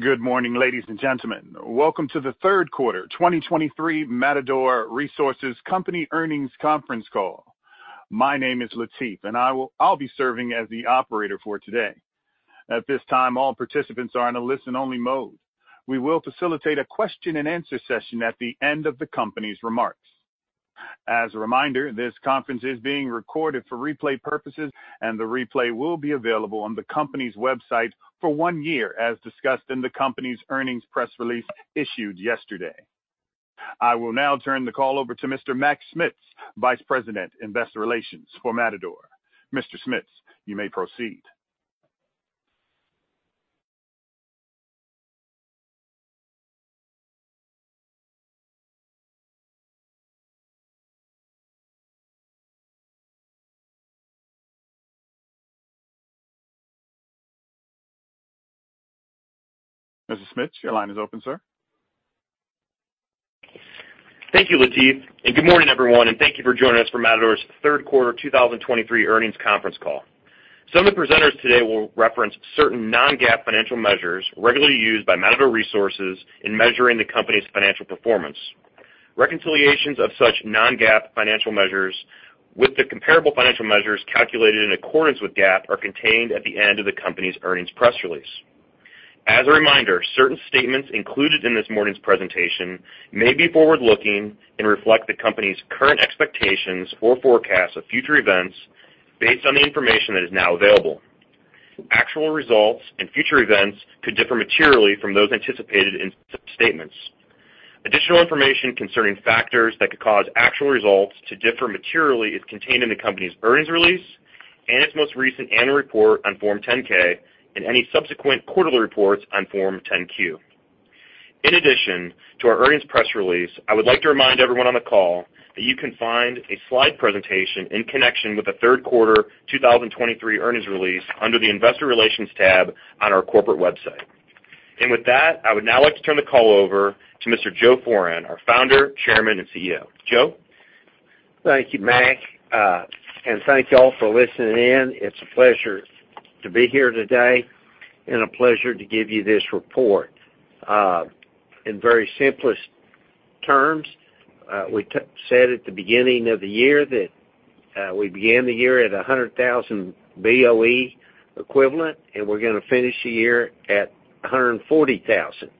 Good morning, ladies and gentlemen. Welcome to the third quarter 2023 Matador Resources Company earnings conference call. My name is Latif, and I'll be serving as the operator for today. At this time, all participants are in a listen-only mode. We will facilitate a question-and-answer session at the end of the company's remarks. As a reminder, this conference is being recorded for replay purposes, and the replay will be available on the company's website for one year, as discussed in the company's earnings press release issued yesterday. I will now turn the call over to Mr. Mac Schmitz, Vice President, Investor Relations for Matador. Mr. Schmitz, you may proceed. Mr. Schmitz, your line is open, sir. Thank you, Latif, and good morning, everyone, and thank you for joining us for Matador's third quarter 2023 earnings conference call. Some of the presenters today will reference certain non-GAAP financial measures regularly used by Matador Resources in measuring the company's financial performance. Reconciliations of such non-GAAP financial measures with the comparable financial measures calculated in accordance with GAAP are contained at the end of the company's earnings press release. As a reminder, certain statements included in this morning's presentation may be forward-looking and reflect the company's current expectations or forecasts of future events based on the information that is now available. Actual results and future events could differ materially from those anticipated in such statements. Additional information concerning factors that could cause actual results to differ materially is contained in the company's earnings release and its most recent annual report on Form 10-K and any subsequent quarterly reports on Form 10-Q. In addition to our earnings press release, I would like to remind everyone on the call that you can find a slide presentation in connection with the third quarter 2023 earnings release under the Investor Relations tab on our corporate website. And with that, I would now like to turn the call over to Mr. Joe Foran, our Founder, Chairman, and CEO. Joe? Thank you, Mac, and thank you all for listening in. It's a pleasure to be here today and a pleasure to give you this report. In very simplest terms, we said at the beginning of the year that we began the year at 100,000 BOE equivalent, and we're gonna finish the year at 140,000.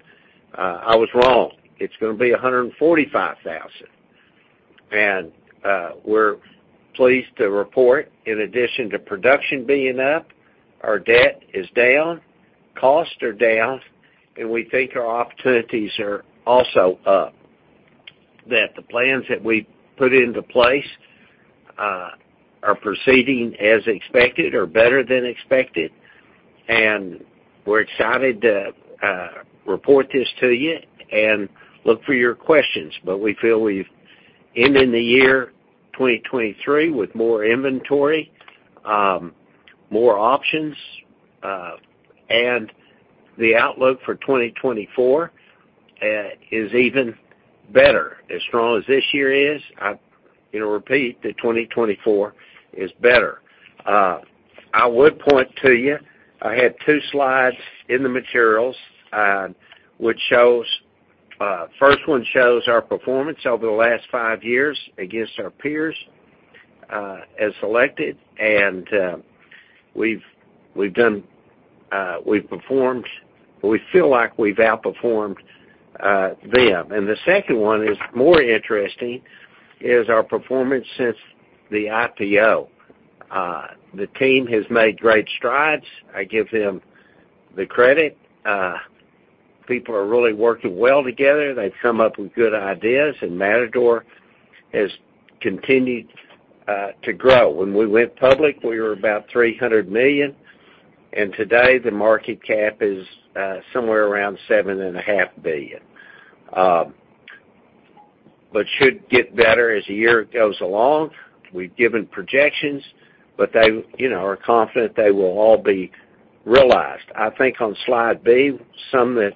I was wrong. It's gonna be 145,000. And we're pleased to report, in addition to production being up, our debt is down, costs are down, and we think our opportunities are also up, that the plans that we put into place are proceeding as expected or better than expected. And we're excited to report this to you and look for your questions. But we feel we've ended the year 2023 with more inventory, more options, and the outlook for 2024 is even better. As strong as this year is, I, you know, repeat that 2024 is better. I would point to you, I had 2 slides in the materials, which shows... First one shows our performance over the last 5 years against our peers, as selected, and, we've performed, we feel like we've outperformed them. And the second one is more interesting, is our performance since the IPO. The team has made great strides. I give them the credit. People are really working well together. They've come up with good ideas, and Matador has continued to grow. When we went public, we were about $300 million, and today, the market cap is somewhere around $7.5 billion. But should get better as the year goes along. We've given projections, but they, you know, are confident they will all be realized. I think on slide B, something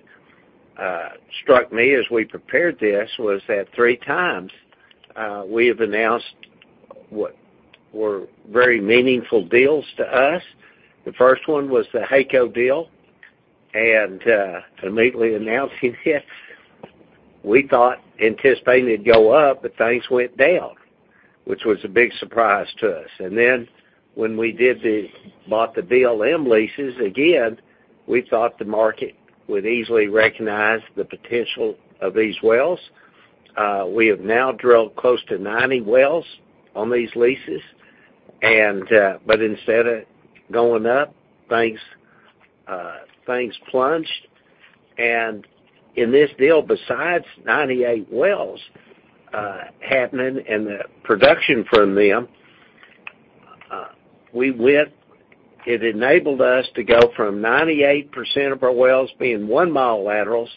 that struck me as we prepared this was that three times we have announced what were very meaningful deals to us. The first one was the HEYCO deal, and immediately announcing it, we thought anticipating it'd go up, but things went down, which was a big surprise to us. And then when we bought the BLM leases, again, we thought the market would easily recognize the potential of these wells. We have now drilled close to 90 wells on these leases, and but instead of going up, things plunged. And in this deal, besides 98 wells happening and the production from them, it enabled us to go from 98% of our wells being one-mile laterals,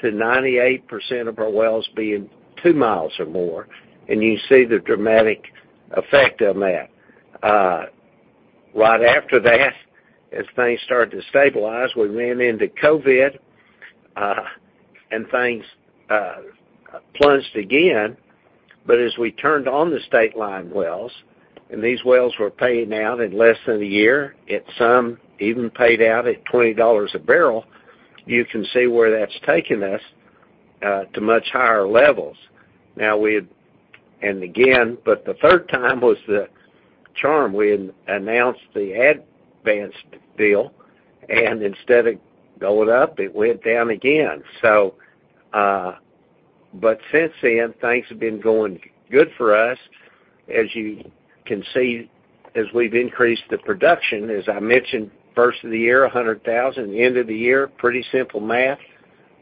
to 98% of our wells being two miles or more, and you see the dramatic effect of that. Right after that, as things started to stabilize, we ran into COVID, and things plunged again. But as we turned on the Stateline wells, and these wells were paying out in less than a year, at some even paid out at $20 a barrel, you can see where that's taken us to much higher levels. Now, and again, but the third time was the charm. We had announced the Advance deal, and instead of going up, it went down again. So, but since then, things have been going good for us. As you can see, as we've increased the production, as I mentioned, first of the year, 100,000, end of the year, pretty simple math,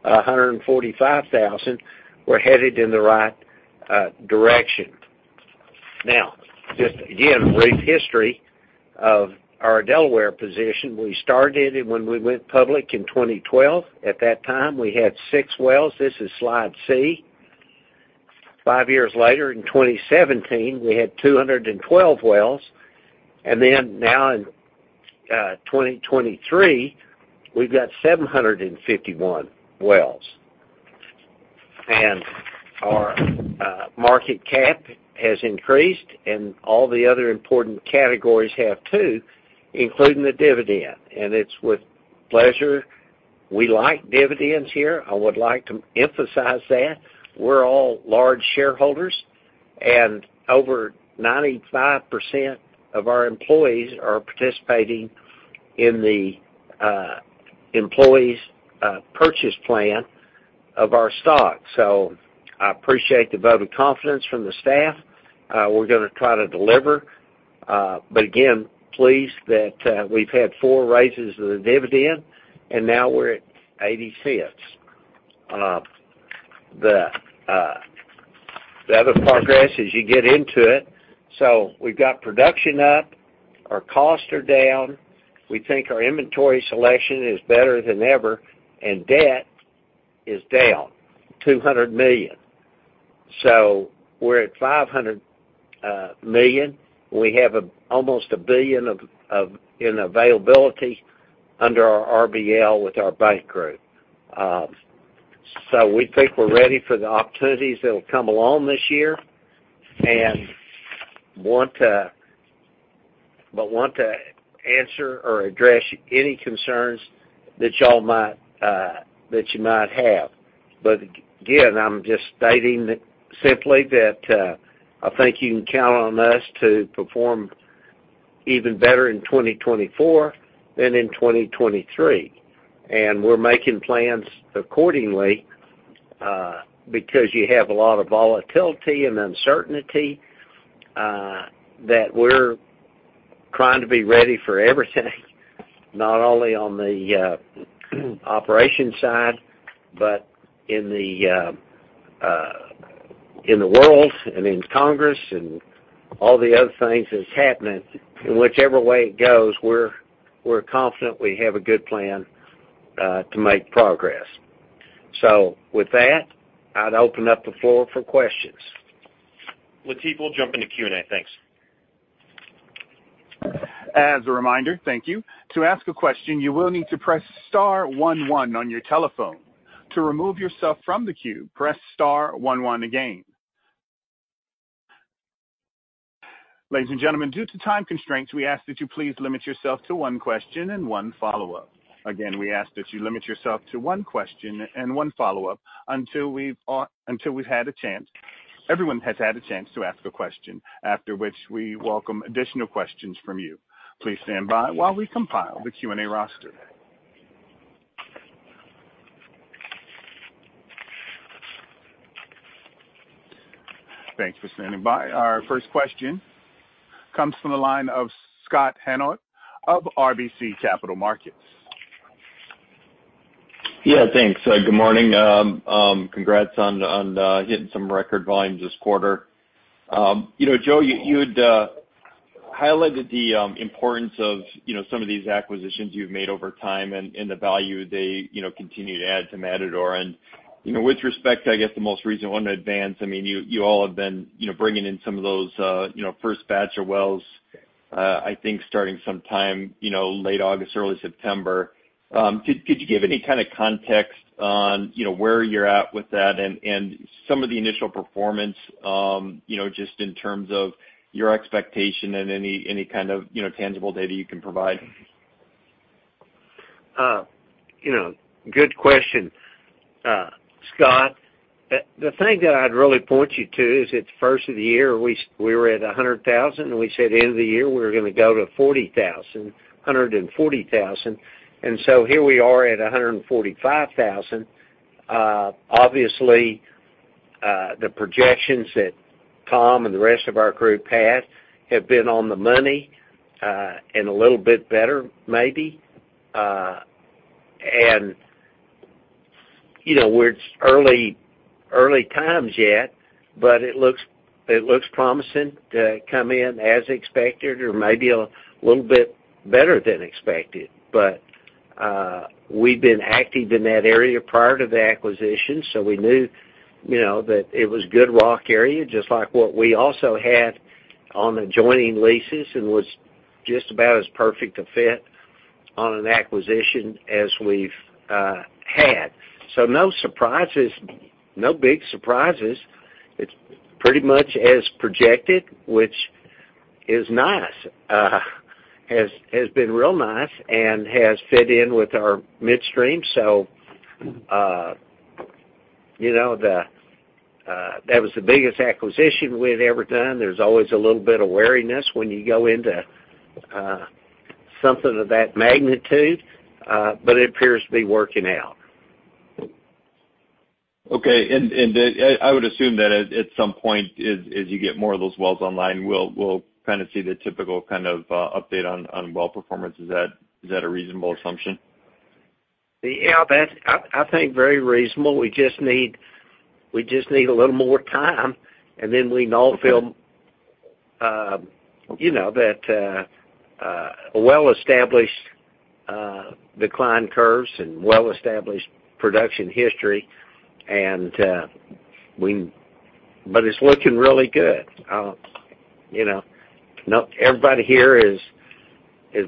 145,000. We're headed in the right direction. Now, just again, a brief history of our Delaware position. We started it when we went public in 2012. At that time, we had 6 wells. This is slide C. Five years later, in 2017, we had 212 wells, and then now in 2023, we've got 751 wells. And our market cap has increased, and all the other important categories have, too, including the dividend. And it's with pleasure. We like dividends here. I would like to emphasize that. We're all large shareholders, and over 95% of our employees are participating in the employees purchase plan of our stock. So I appreciate the vote of confidence from the staff. We're gonna try to deliver, but again, pleased that we've had four raises of the dividend, and now we're at $0.80. The other progress as you get into it. So we've got production up, our costs are down, we think our inventory selection is better than ever, and debt is down $200 million. So we're at $500 million. We have almost $1 billion of in availability under our RBL with our bank group. So we think we're ready for the opportunities that will come along this year, and want to answer or address any concerns that y'all might have. But again, I'm just stating simply that I think you can count on us to perform even better in 2024 than in 2023. And we're making plans accordingly, because you have a lot of volatility and uncertainty that we're trying to be ready for everything, not only on the operation side, but in the world and in Congress and all the other things that's happening. In whichever way it goes, we're confident we have a good plan to make progress. So with that, I'd open up the floor for questions. Latif, we'll jump into Q&A. Thanks. As a reminder, thank you. To ask a question, you will need to press star one one on your telephone. To remove yourself from the queue, press star one one again. Ladies and gentlemen, due to time constraints, we ask that you please limit yourself to one question and one follow-up. Again, we ask that you limit yourself to one question and one follow-up until we've had a chance, everyone has had a chance to ask a question, after which we welcome additional questions from you. Please stand by while we compile the Q&A roster. Thank you for standing by. Our first question comes from the line of Scott Hanold of RBC Capital Markets. Yeah, thanks. Good morning. Congrats on hitting some record volumes this quarter. You know, Joe, you had highlighted the importance of, you know, some of these acquisitions you've made over time and the value they, you know, continue to add to Matador. You know, with respect to, I guess, the most recent one in Advance, I mean, you all have been, you know, bringing in some of those, you know, first batch of wells, I think, starting sometime, you know, late August, early September. Could you give any kind of context on, you know, where you're at with that and some of the initial performance, you know, just in terms of your expectation and any kind of, you know, tangible data you can provide? You know, good question, Scott. The thing that I'd really point you to is, at the first of the year, we were at 100,000, and we said end of the year, we were gonna go to 140,000. And so here we are at 145,000. Obviously, the projections that Tom and the rest of our group had have been on the money, and a little bit better, maybe. And, you know, we're early, early times yet, but it looks, it looks promising to come in as expected or maybe a little bit better than expected. But we've been active in that area prior to the acquisition, so we knew, you know, that it was good rock area, just like what we also had on adjoining leases and was-... Just about as perfect a fit on an acquisition as we've had. So no surprises, no big surprises. It's pretty much as projected, which is nice, has been real nice and has fit in with our midstream. So, you know, that was the biggest acquisition we've ever done. There's always a little bit of wariness when you go into something of that magnitude, but it appears to be working out. Okay. And I would assume that at some point, as you get more of those wells online, we'll kind of see the typical kind of update on well performance. Is that a reasonable assumption? Yeah, that's, I, I think, very reasonable. We just need, we just need a little more time, and then we can all feel- Okay. You know, that well-established decline curves and well-established production history, and but it's looking really good. You know, everybody here is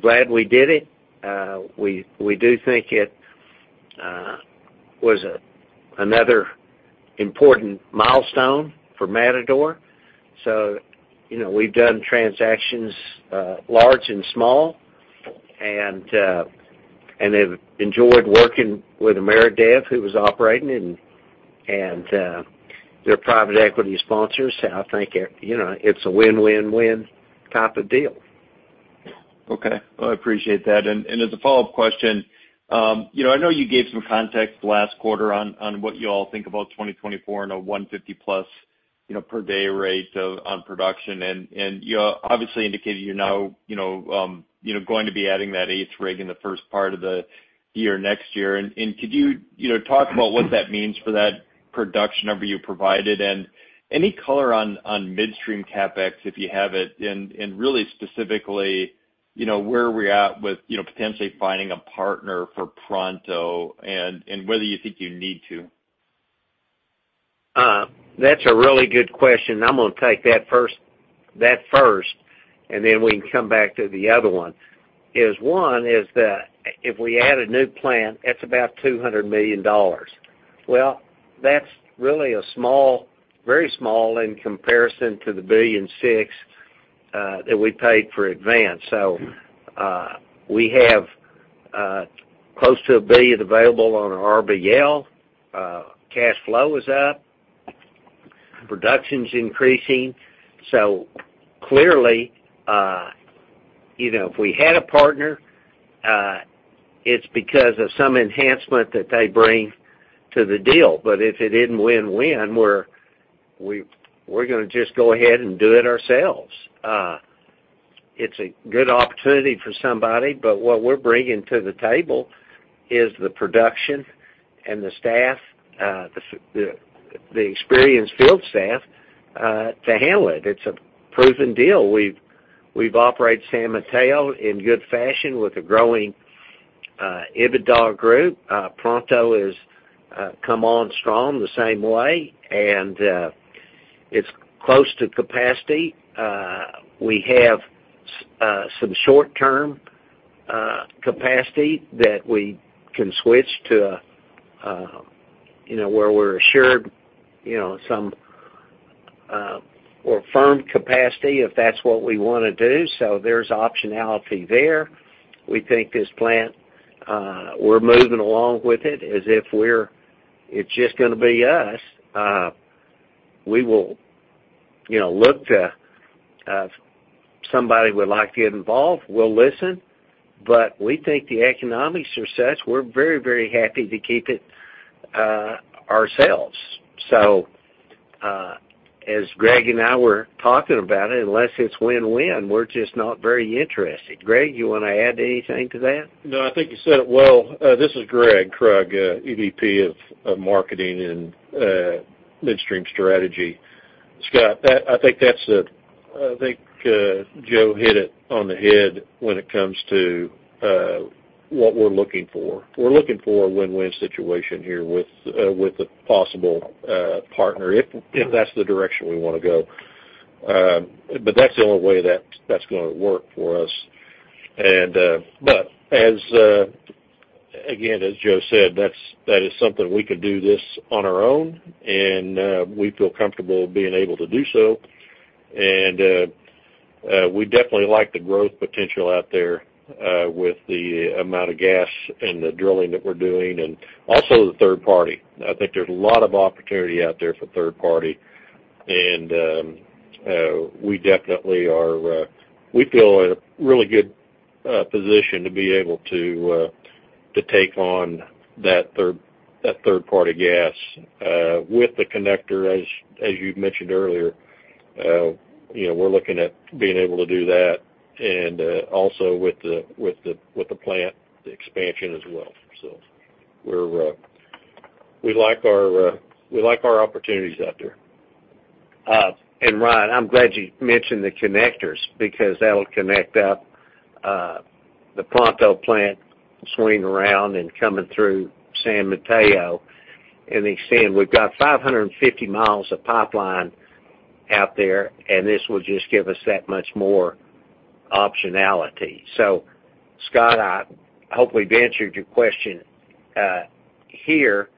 glad we did it. We do think it was another important milestone for Matador. So, you know, we've done transactions, large and small, and have enjoyed working with Ameredev, who was operating and their private equity sponsors. I think, you know, it's a win-win-win type of deal. Okay. Well, I appreciate that. And as a follow-up question, you know, I know you gave some context last quarter on what you all think about 2024 and a 150+ per day rate of production. And you obviously indicated you're now, you know, going to be adding that eighth rig in the first part of the year next year. And could you, you know, talk about what that means for that production number you provided? And any color on midstream CapEx, if you have it, and really specifically, you know, where are we at with potentially finding a partner for Pronto, and whether you think you need to. That's a really good question. I'm gonna take that first, that first, and then we can come back to the other one. One is that if we add a new plant, that's about $200 million. Well, that's really a small, very small in comparison to the $1.6 billion that we paid for Advance. So, we have close to $1 billion available on our RBL. Cash flow is up, production's increasing. So clearly, you know, if we had a partner, it's because of some enhancement that they bring to the deal. But if it isn't win-win, we're, we're gonna just go ahead and do it ourselves. It's a good opportunity for somebody, but what we're bringing to the table is the production and the staff, the experienced field staff to handle it. It's a proven deal. We've operated San Mateo in good fashion with a growing EBITDA group. Pronto has come on strong the same way, and it's close to capacity. We have some short-term capacity that we can switch to, you know, where we're assured, you know, some or firm capacity if that's what we wanna do. So there's optionality there. We think this plant, we're moving along with it as if we're. It's just gonna be us. We will, you know, look to if somebody would like to get involved, we'll listen, but we think the economics are such, we're very, very happy to keep it ourselves. So, as Gregg and I were talking about it, unless it's win-win, we're just not very interested. Gregg, you want to add anything to that? No, I think you said it well. This is Gregg Krug, EVP of Marketing and Midstream Strategy. Scott, that, I think that's it. I think Joe hit it on the head when it comes to what we're looking for. We're looking for a win-win situation here with a possible partner, if that's the direction we wanna go. But that's the only way that that's gonna work for us. And but as again, as Joe said, that's that is something we can do this on our own, and we feel comfortable being able to do so. And we definitely like the growth potential out there with the amount of gas and the drilling that we're doing, and also the third party. I think there's a lot of opportunity out there for third-party, and we definitely are, we feel in a really good position to be able to take on that third-party gas. With the connector, as you mentioned earlier, you know, we're looking at being able to do that, and also with the plant expansion as well. So we like our opportunities out there. And Ryan, I'm glad you mentioned the connectors, because that'll connect up the Pronto plant swinging around and coming through San Mateo, and they saying, we've got 550 miles of pipeline out there, and this will just give us that much more optionality. So Scott, I hope we've answered your question here,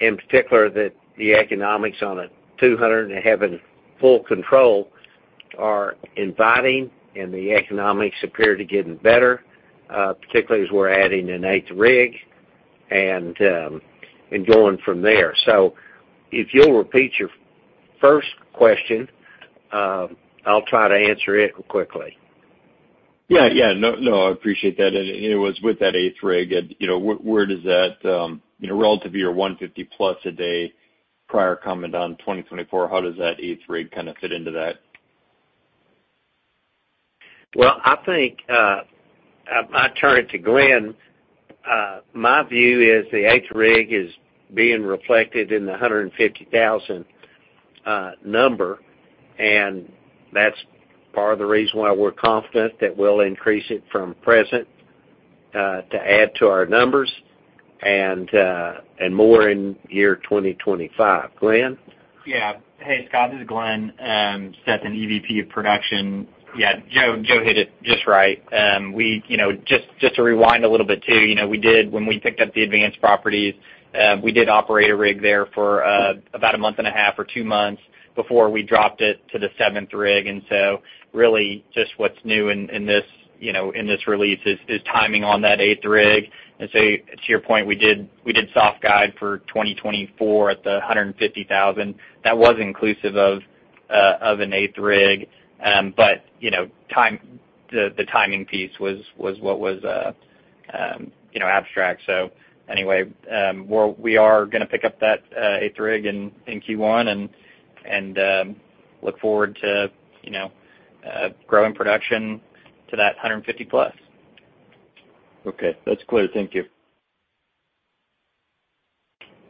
in particular, that the economics on a $200 and having full control are inviting, and the economics appear to be getting better, particularly as we're adding an eighth rig and going from there. So if you'll repeat your first question, I'll try to answer it quickly. Yeah, yeah. No, no, I appreciate that. And it was with that eighth rig, and, you know, where does that, you know, relative to your 150+ a day prior comment on 2024, how does that eighth rig kind of fit into that? Well, I think, I turn it to Glenn. My view is the eighth rig is being reflected in the 150,000 number, and that's part of the reason why we're confident that we'll increase it from present to add to our numbers, and more in year 2025. Glenn? Yeah. Hey, Scott, this is Glenn Stetson, an EVP of Production. Yeah, Joe, Joe hit it just right. We, you know, just to rewind a little bit too, you know, we did—when we picked up the Advance properties, we did operate a rig there for about a month and a half or two months before we dropped it to the seventh rig. And so really, just what's new in this, you know, in this release is timing on that eighth rig. And so to your point, we did soft guide for 2024 at the 150,000. That was inclusive of an eighth rig. But, you know, the timing piece was what was, you know, abstract. So anyway, we are going to pick up that eighth rig in Q1 and look forward to, you know, growing production to that 150+. Okay. That's clear. Thank you.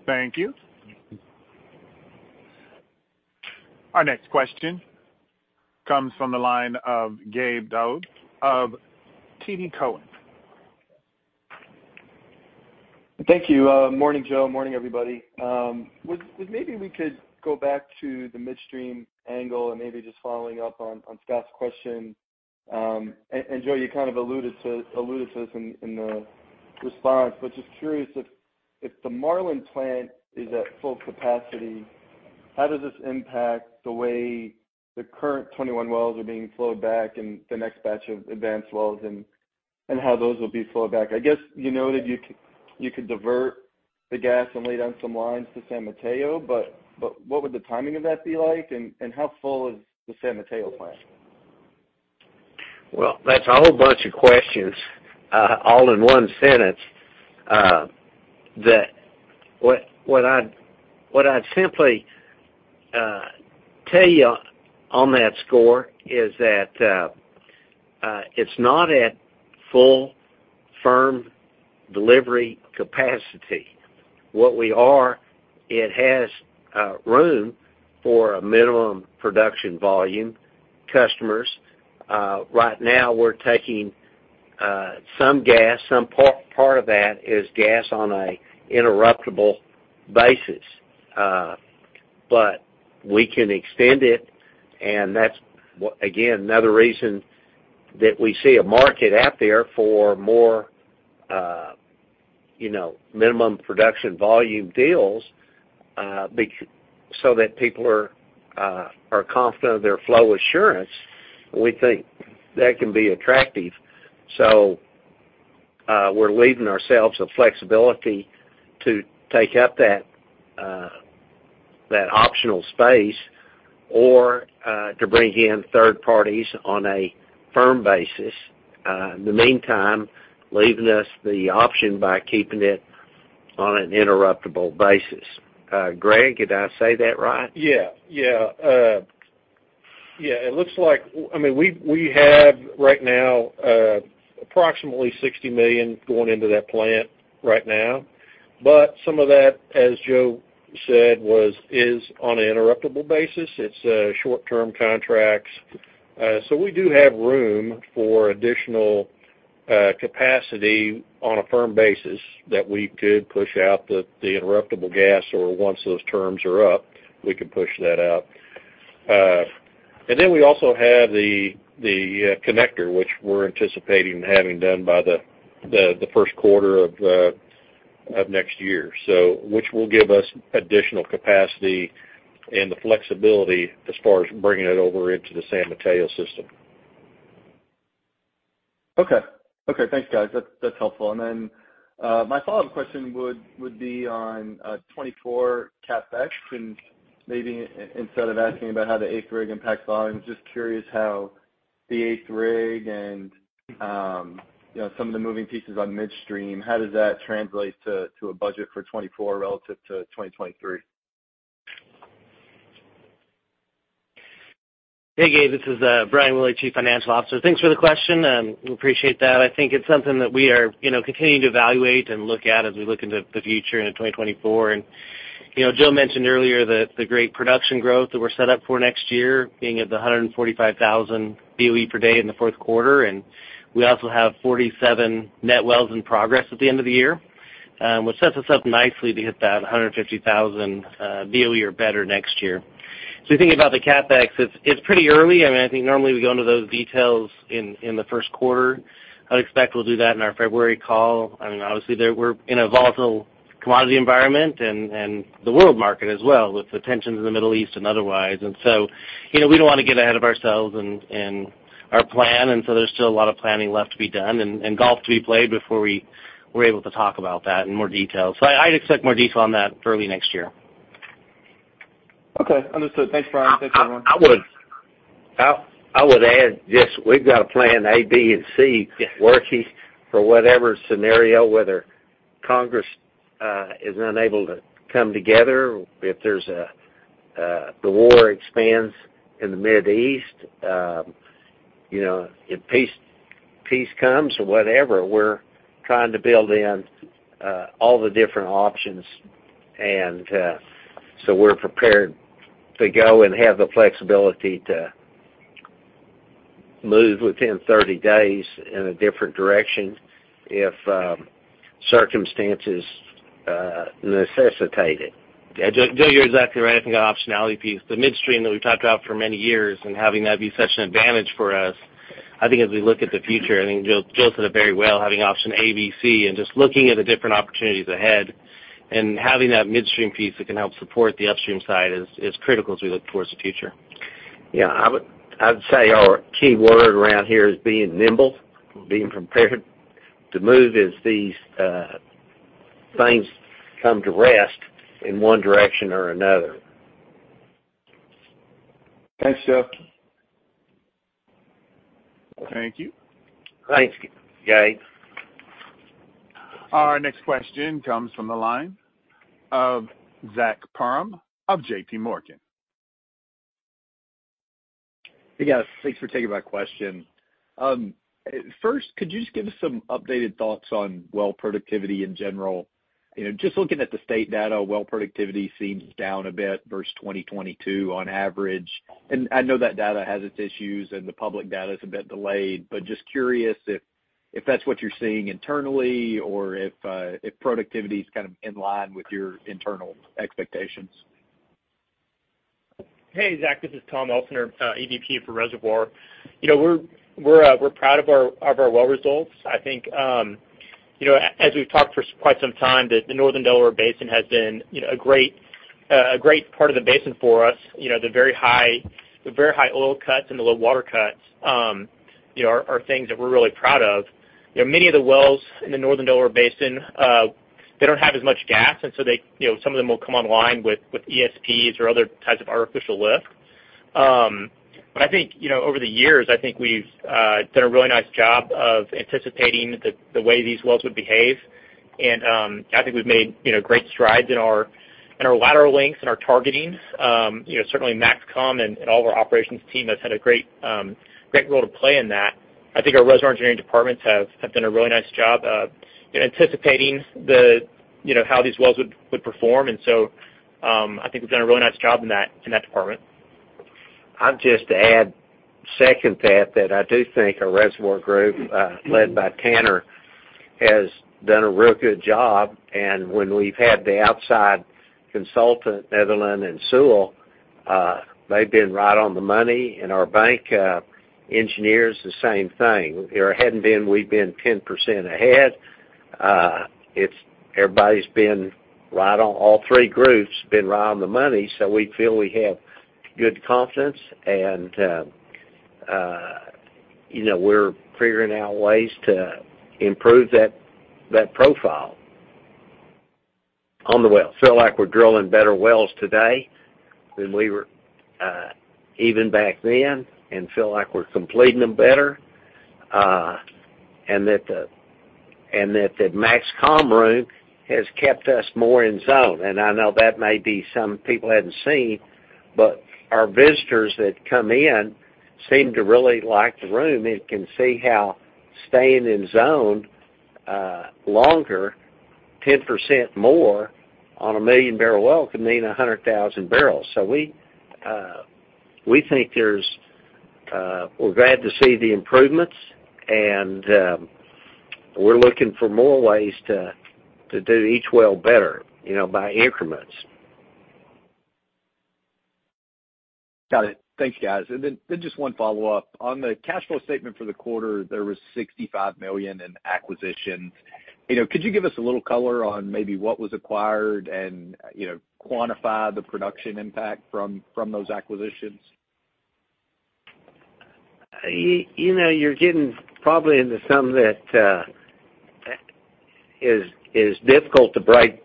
Thank you. Our next question comes from the line of Gabe Daoud of TD Cowen. Thank you. Morning, Joe. Morning, everybody. Maybe we could go back to the midstream angle and maybe just following up on Scott's question. And Joe, you kind of alluded to, alluded to this in the response, but just curious if the Marlan plant is at full capacity, how does this impact the way the current 21 wells are being flowed back and the next batch of Advance wells and how those will be flowed back? I guess, you know, that you could divert the gas and lay down some lines to San Mateo, but what would the timing of that be like? And how full is the San Mateo plant? Well, that's a whole bunch of questions, all in one sentence. What I'd simply tell you on that score is that, it's not at full firm delivery capacity. What we are, it has room for a minimum production volume. Customers right now we're taking some gas, some part of that is gas on an interruptible basis, but we can extend it, and that's, again, another reason that we see a market out there for more, you know, minimum production volume deals, so that people are confident of their flow assurance. We think that can be attractive. So, we're leaving ourselves a flexibility to take up that optional space or to bring in third parties on a firm basis. In the meantime, leaving us the option by keeping it on an interruptible basis. Gregg, did I say that right? Yeah. Yeah, yeah, it looks like... I mean, we have right now approximately 60 million going into that plant right now, but some of that, as Joe said, was—is on an interruptible basis. It's short-term contracts. So we do have room for additional capacity on a firm basis that we could push out the interruptible gas, or once those terms are up, we can push that out. And then we also have the connector, which we're anticipating having done by the first quarter of next year. So which will give us additional capacity and the flexibility as far as bringing it over into the San Mateo system. Okay. Okay, thanks, guys. That's, that's helpful. And then my follow-up question would be on 2024 CapEx, and maybe instead of asking about how the eighth rig impacts volume, just curious how the eighth rig and, you know, some of the moving pieces on midstream, how does that translate to a budget for 2024 relative to 2023? Hey, Gabe, this is Brian Willey, Chief Financial Officer. Thanks for the question. We appreciate that. I think it's something that we are, you know, continuing to evaluate and look at as we look into the future into 2024. And,... You know, Joe mentioned earlier that the great production growth that we're set up for next year, being at the 145,000 BOE per day in the fourth quarter, and we also have 47 net wells in progress at the end of the year, which sets us up nicely to hit that 150,000 BOE or better next year. So if you think about the CapEx, it's pretty early. I mean, I think normally we go into those details in the first quarter. I'd expect we'll do that in our February call. I mean, obviously, there, we're in a volatile commodity environment and the world market as well, with the tensions in the Middle East and otherwise. So, you know, we don't want to get ahead of ourselves and our plan, and so there's still a lot of planning left to be done and golf to be played before we're able to talk about that in more detail. So I'd expect more detail on that early next year. Okay, understood. Thanks, Brian. Thanks, everyone. I would add just we've got a plan A, B, and C- Yes working for whatever scenario, whether Congress is unable to come together, if there's a the war expands in the Middle East, you know, if peace, peace comes or whatever, we're trying to build in all the different options. And so we're prepared to go and have the flexibility to move within 30 days in a different direction if circumstances necessitate it. Yeah, Joe, you're exactly right. I think the optionality piece, the midstream that we've talked about for many years and having that be such an advantage for us, I think as we look at the future, I think Joe, Joe said it very well, having option A, B, C, and just looking at the different opportunities ahead and having that midstream piece that can help support the upstream side is, is critical as we look towards the future. Yeah, I'd say our key word around here is being nimble, being prepared to move as these things come to rest in one direction or another. Thanks, Joe. Thank you. Thanks, Gabe. Our next question comes from the line of Zach Parham of JP Morgan. Hey, guys. Thanks for taking my question. First, could you just give us some updated thoughts on well productivity in general? You know, just looking at the state data, well productivity seems down a bit versus 2022 on average. And I know that data has its issues and the public data is a bit delayed, but just curious if, if that's what you're seeing internally or if, if productivity is kind of in line with your internal expectations. Hey, Zach, this is Tom Elsner, EVP for Reservoir. You know, we're proud of our well results. I think, you know, as we've talked for quite some time, that the Northern Delaware Basin has been, you know, a great part of the basin for us. You know, the very high oil cuts and the low water cuts, you know, are things that we're really proud of. You know, many of the wells in the Northern Delaware Basin, they don't have as much gas, and so they, you know, some of them will come online with ESPs or other types of artificial lift. But I think, you know, over the years, I think we've done a really nice job of anticipating the way these wells would behave. I think we've made, you know, great strides in our lateral lengths and our targetings. You know, certainly MAXCOM and all of our operations team has had a great role to play in that. I think our reservoir engineering departments have done a really nice job of anticipating the, you know, how these wells would perform, and so I think we've done a really nice job in that department. I'll just add, second to that, that I do think our reservoir group, led by Tanner, has done a real good job. And when we've had the outside consultant, Netherland, Sewell, they've been right on the money, and our bank engineers, the same thing. If it hadn't been, we've been 10% ahead. It's everybody's been right on all three groups been right on the money, so we feel we have good confidence, and, you know, we're figuring out ways to improve that profile on the well. Feel like we're drilling better wells today than we were, even back then, and feel like we're completing them better, and that the MAXCOM room has kept us more in zone. I know that may be some people hadn't seen, but our visitors that come in seem to really like the room and can see how staying in zone, longer, 10% more on a 1-million-barrel well, can mean 100,000 barrels. So we, we think there's... We're glad to see the improvements, and, we're looking for more ways to, to do each well better, you know, by increments. Got it. Thank you, guys. Then just one follow-up. On the cash flow statement for the quarter, there was $65 million in acquisitions. You know, could you give us a little color on maybe what was acquired and, you know, quantify the production impact from those acquisitions? You know, you're getting probably into something that is difficult to break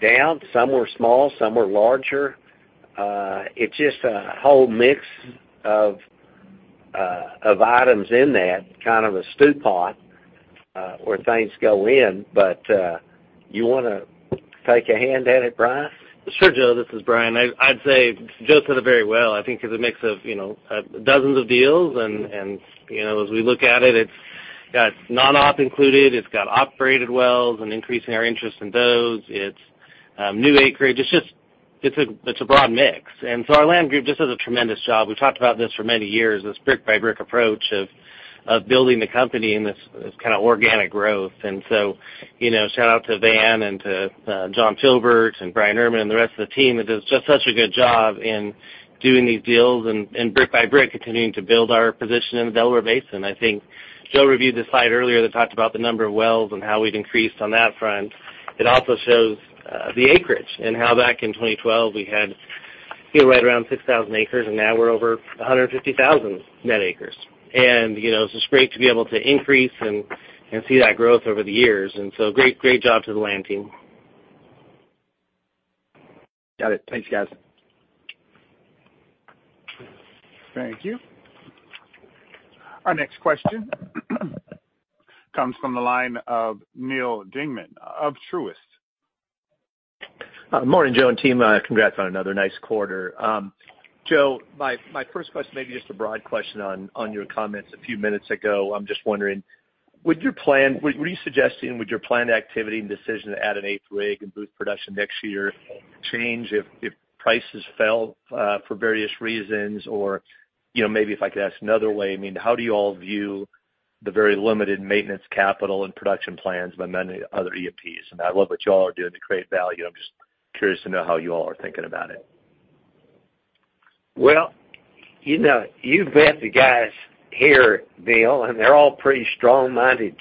down. Some were small, some were larger. It's just a whole mix of items in that kind of a stew pot where things go in. But you want to take a hand at it, Brian? Sure, Joe, this is Brian. I'd say Joe said it very well. I think it's a mix of, you know, dozens of deals, and, you know, as we look at it, it's non-op included. It's got operated wells and increasing our interest in those. It's new acreage. It's just a broad mix. And so our land group just does a tremendous job. We've talked about this for many years, this brick by brick approach of building the company, and this kind of organic growth. And so, you know, shout out to Van and to John Talbert and Bryan Erman, and the rest of the team that does just such a good job in doing these deals and brick by brick, continuing to build our position in the Delaware Basin. I think Joe reviewed the slide earlier that talked about the number of wells and how we've increased on that front. It also shows the acreage and how back in 2012, we had right around 6,000 acres, and now we're over 150,000 net acres. And, you know, it's just great to be able to increase and see that growth over the years. And so great, great job to the land team. Got it. Thanks, guys. Thank you. Our next question comes from the line of Neil Dingmann of Truist. Morning, Joe and team. Congrats on another nice quarter. Joe, my first question, maybe just a broad question on your comments a few minutes ago. I'm just wondering, would your planned activity and decision to add an eighth rig and boost production next year change if prices fell for various reasons? Or, you know, maybe if I could ask another way, I mean, how do you all view the very limited maintenance capital and production plans by many other E&Ps? And I love what you all are doing to create value. I'm just curious to know how you all are thinking about it. Well, you know, you've met the guys here, Neil, and they're all pretty strong-minded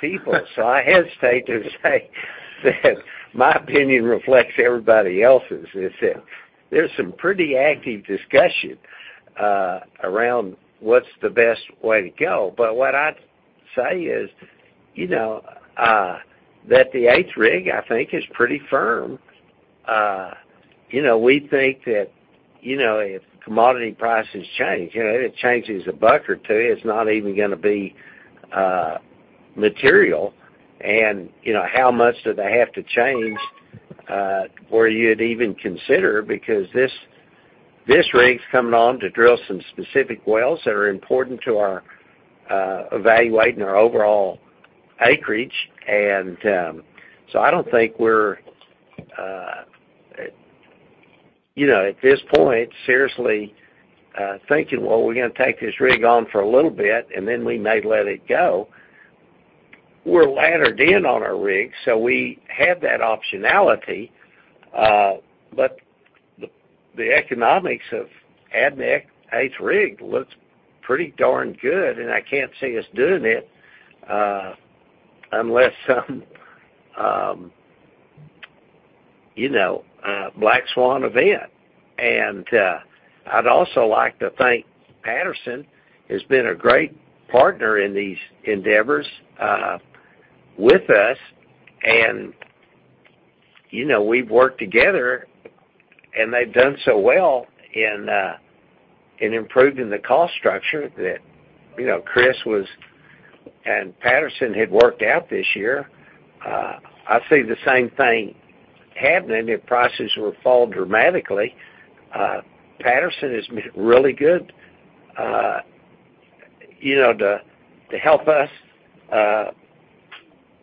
people, so I hesitate to say that my opinion reflects everybody else's. It's, there's some pretty active discussion around what's the best way to go. But what I'd say is, you know, that the eighth rig, I think, is pretty firm. You know, we think that, you know, if commodity prices change, you know, it changes $1 or $2, it's not even gonna be material. And, you know, how much do they have to change for you to even consider? Because this, this rig's coming on to drill some specific wells that are important to our evaluating our overall acreage. So I don't think we're, you know, at this point, seriously, thinking, well, we're gonna take this rig on for a little bit, and then we may let it go. We're laddered in on our rig, so we have that optionality, but the economics of adding the 8th rig looks pretty darn good, and I can't see us doing it, unless some, you know, black swan event. And, I'd also like to thank Patterson, has been a great partner in these endeavors, with us, and, you know, we've worked together, and they've done so well in improving the cost structure that, you know, Chris was-- and Patterson had worked out this year. I see the same thing happening if prices were to fall dramatically. Patterson has been really good, you know, to help us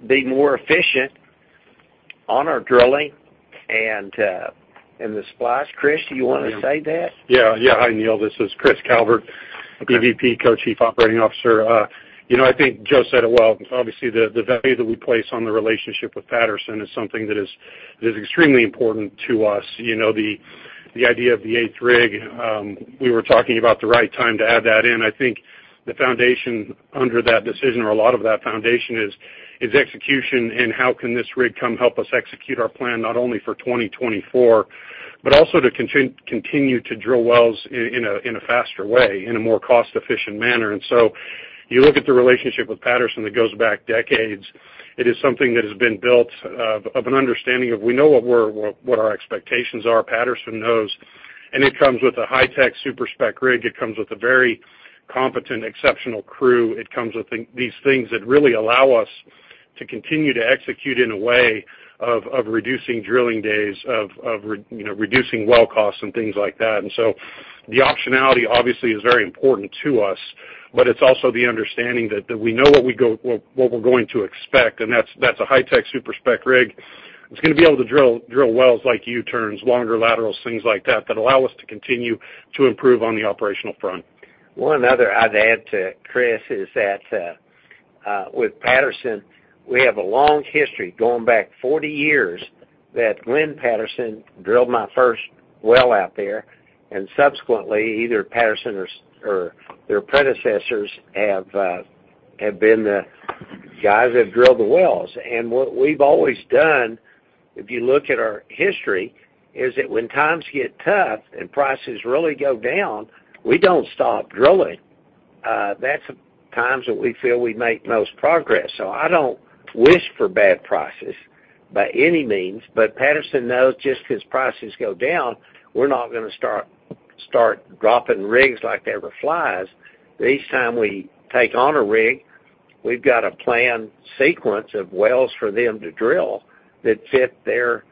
be more efficient on our drilling and in the splash. Chris, do you want to say that? Yeah. Yeah. Hi, Neil. This is Chris Calvert- Okay. The VP, Co-Chief Operating Officer. You know, I think Joe said it well. Obviously, the value that we place on the relationship with Patterson is something that is extremely important to us. You know, the idea of the eighth rig, we were talking about the right time to add that in. I think the foundation under that decision or a lot of that foundation is execution and how can this rig come help us execute our plan, not only for 2024, but also to continue to drill wells in a faster way, in a more cost-efficient manner. And so you look at the relationship with Patterson that goes back decades. It is something that has been built of an understanding of we know what our expectations are, Patterson knows, and it comes with a high-tech super-spec rig. It comes with a very competent, exceptional crew. It comes with these things that really allow us to continue to execute in a way of reducing drilling days, you know, reducing well costs and things like that. And so the optionality obviously is very important to us, but it's also the understanding that we know what we're going to expect, and that's a high-tech super-spec rig. It's gonna be able to drill wells like U-turns, longer laterals, things like that, that allow us to continue to improve on the operational front. One other I'd add to Chris is that with Patterson, we have a long history going back 40 years, that Lynn Patterson drilled my first well out there, and subsequently, either Patterson or their predecessors have been the guys that drilled the wells. And what we've always done, if you look at our history, is that when times get tough and prices really go down, we don't stop drilling. That's the times that we feel we make most progress. So I don't wish for bad prices by any means, but Patterson knows just because prices go down, we're not gonna start dropping rigs like they were flies. Each time we take on a rig, we've got a planned sequence of wells for them to drill that fit their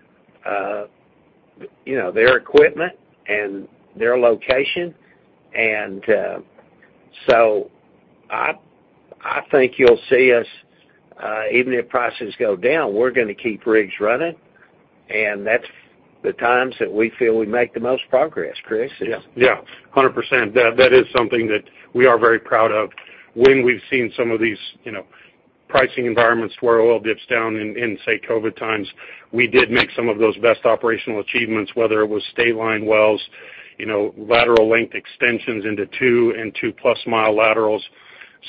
you know, their equipment and their location. And, so I think you'll see us, even if prices go down, we're gonna keep rigs running, and that's the times that we feel we make the most progress, Chris. Yeah, yeah, 100%. That, that is something that we are very proud of. When we've seen some of these, you know, pricing environments where oil dips down in, in, say, COVID times, we did make some of those best operational achievements, whether it was State Line wells, you know, lateral length extensions into two and two+ mile laterals,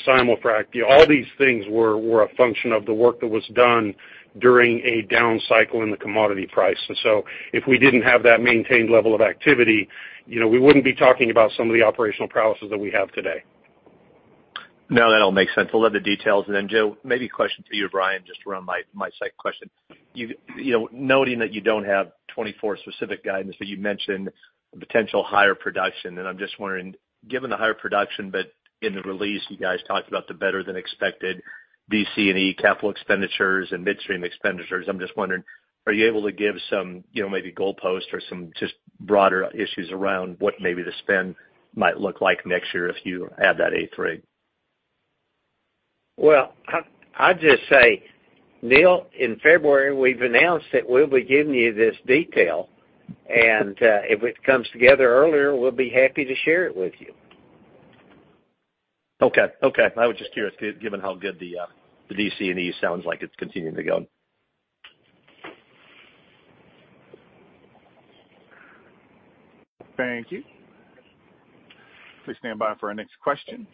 simul-frac. All these things were, were a function of the work that was done during a down cycle in the commodity price. And so if we didn't have that maintained level of activity, you know, we wouldn't be talking about some of the operational prowess that we have today. No, that all makes sense. We'd love the details. And then, Joe, maybe a question to you or Brian, just around my side question. You know, noting that you don't have 2024 specific guidance, but you mentioned potential higher production. And I'm just wondering, given the higher production, but in the release, you guys talked about the better than expected D,C&E capital expenditures and midstream expenditures. I'm just wondering, are you able to give some, you know, maybe goalpost or some just broader issues around what maybe the spend might look like next year if you add that eighth rig? Well, I'd just say, Neil, in February, we've announced that we'll be giving you this detail, and if it comes together earlier, we'll be happy to share it with you. Okay. Okay. I was just curious, given how good the DC&E sounds like it's continuing to go. Thank you. Please stand by for our next question,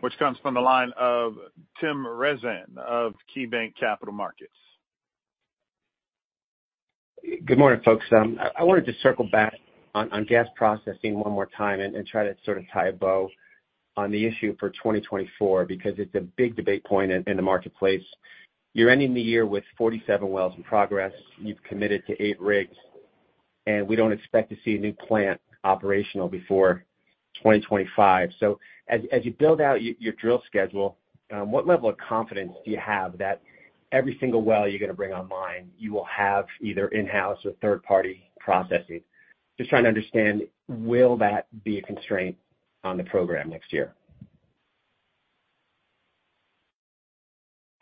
which comes from the line of Tim Rezvan of KeyBanc Capital Markets. Good morning, folks. I wanted to circle back on gas processing one more time and try to sort of tie a bow on the issue for 2024, because it's a big debate point in the marketplace. You're ending the year with 47 wells in progress. You've committed to 8 rigs, and we don't expect to see a new plant operational before 2025. So as you build out your drill schedule, what level of confidence do you have that every single well you're gonna bring online, you will have either in-house or third-party processing? Just trying to understand, will that be a constraint on the program next year?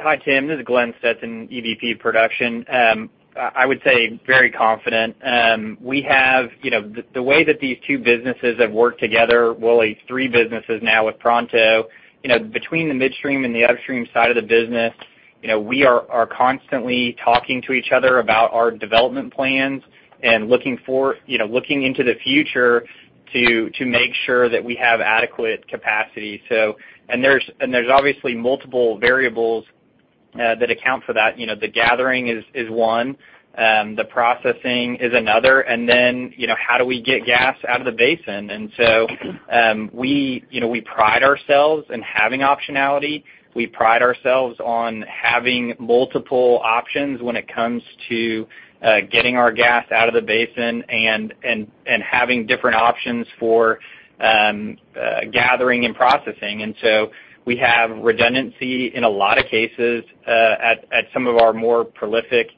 Hi, Tim. This is Glenn Stetson, EVP of Production. I would say very confident. We have, you know... The way that these two businesses have worked together, well, three businesses now with Pronto, you know, between the midstream and the upstream side of the business, you know, we are constantly talking to each other about our development plans and looking for, you know, looking into the future to make sure that we have adequate capacity. So, and there's obviously multiple variables that account for that. You know, the gathering is one, the processing is another, and then, you know, how do we get gas out of the basin? And so, we, you know, we pride ourselves in having optionality. We pride ourselves on having multiple options when it comes to getting our gas out of the basin and having different options for gathering and processing. And so we have redundancy in a lot of cases at some of our more prolific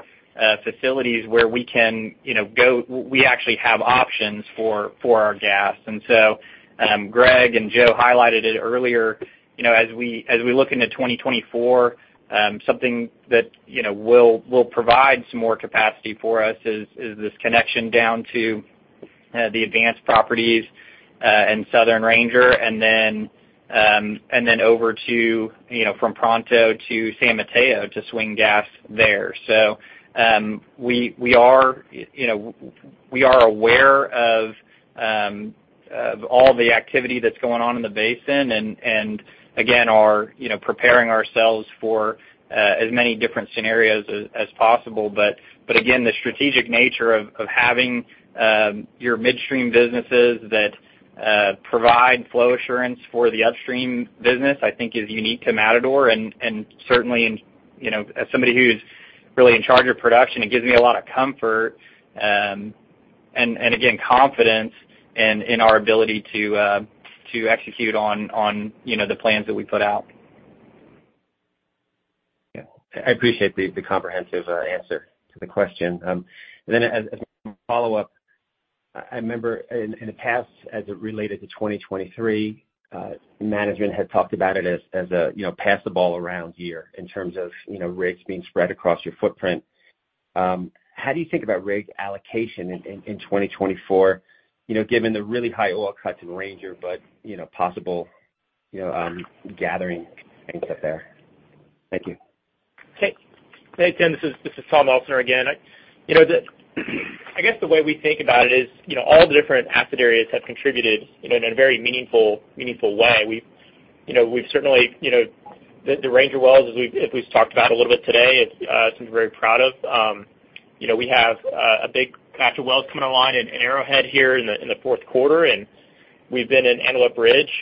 facilities where we can, you know, we actually have options for our gas. And so Gregg and Joe highlighted it earlier, you know, as we look into 2024 something that, you know, will provide some more capacity for us is this connection down to the Advance properties in Southern Ranger, and then over to, you know, from Pronto to San Mateo to swing gas there. So, we are, you know, aware of all the activity that's going on in the basin and again are preparing ourselves for as many different scenarios as possible. But again, the strategic nature of having your midstream businesses that provide flow assurance for the upstream business, I think is unique to Matador. And certainly, you know, as somebody who's really in charge of production, it gives me a lot of comfort and again confidence in our ability to execute on, you know, the plans that we put out. Yeah. I appreciate the comprehensive answer to the question. Then as a follow-up, I remember in the past, as it related to 2023, management had talked about it as a, you know, pass the ball around year in terms of, you know, rigs being spread across your footprint. How do you think about rig allocation in 2024, you know, given the really high oil cuts in Ranger, but, you know, possible, you know, gathering things up there? Thank you. Okay. Hey, Tim, this is Tom Elsner again. You know, the way we think about it is, you know, all the different asset areas have contributed in a very meaningful, meaningful way. We've, you know, we've certainly, you know, the Ranger wells, as we've, as we've talked about a little bit today, it's something we're very proud of. You know, we have a big batch of wells coming online in Arrowhead here in the fourth quarter, and we've been in Antelope Ridge,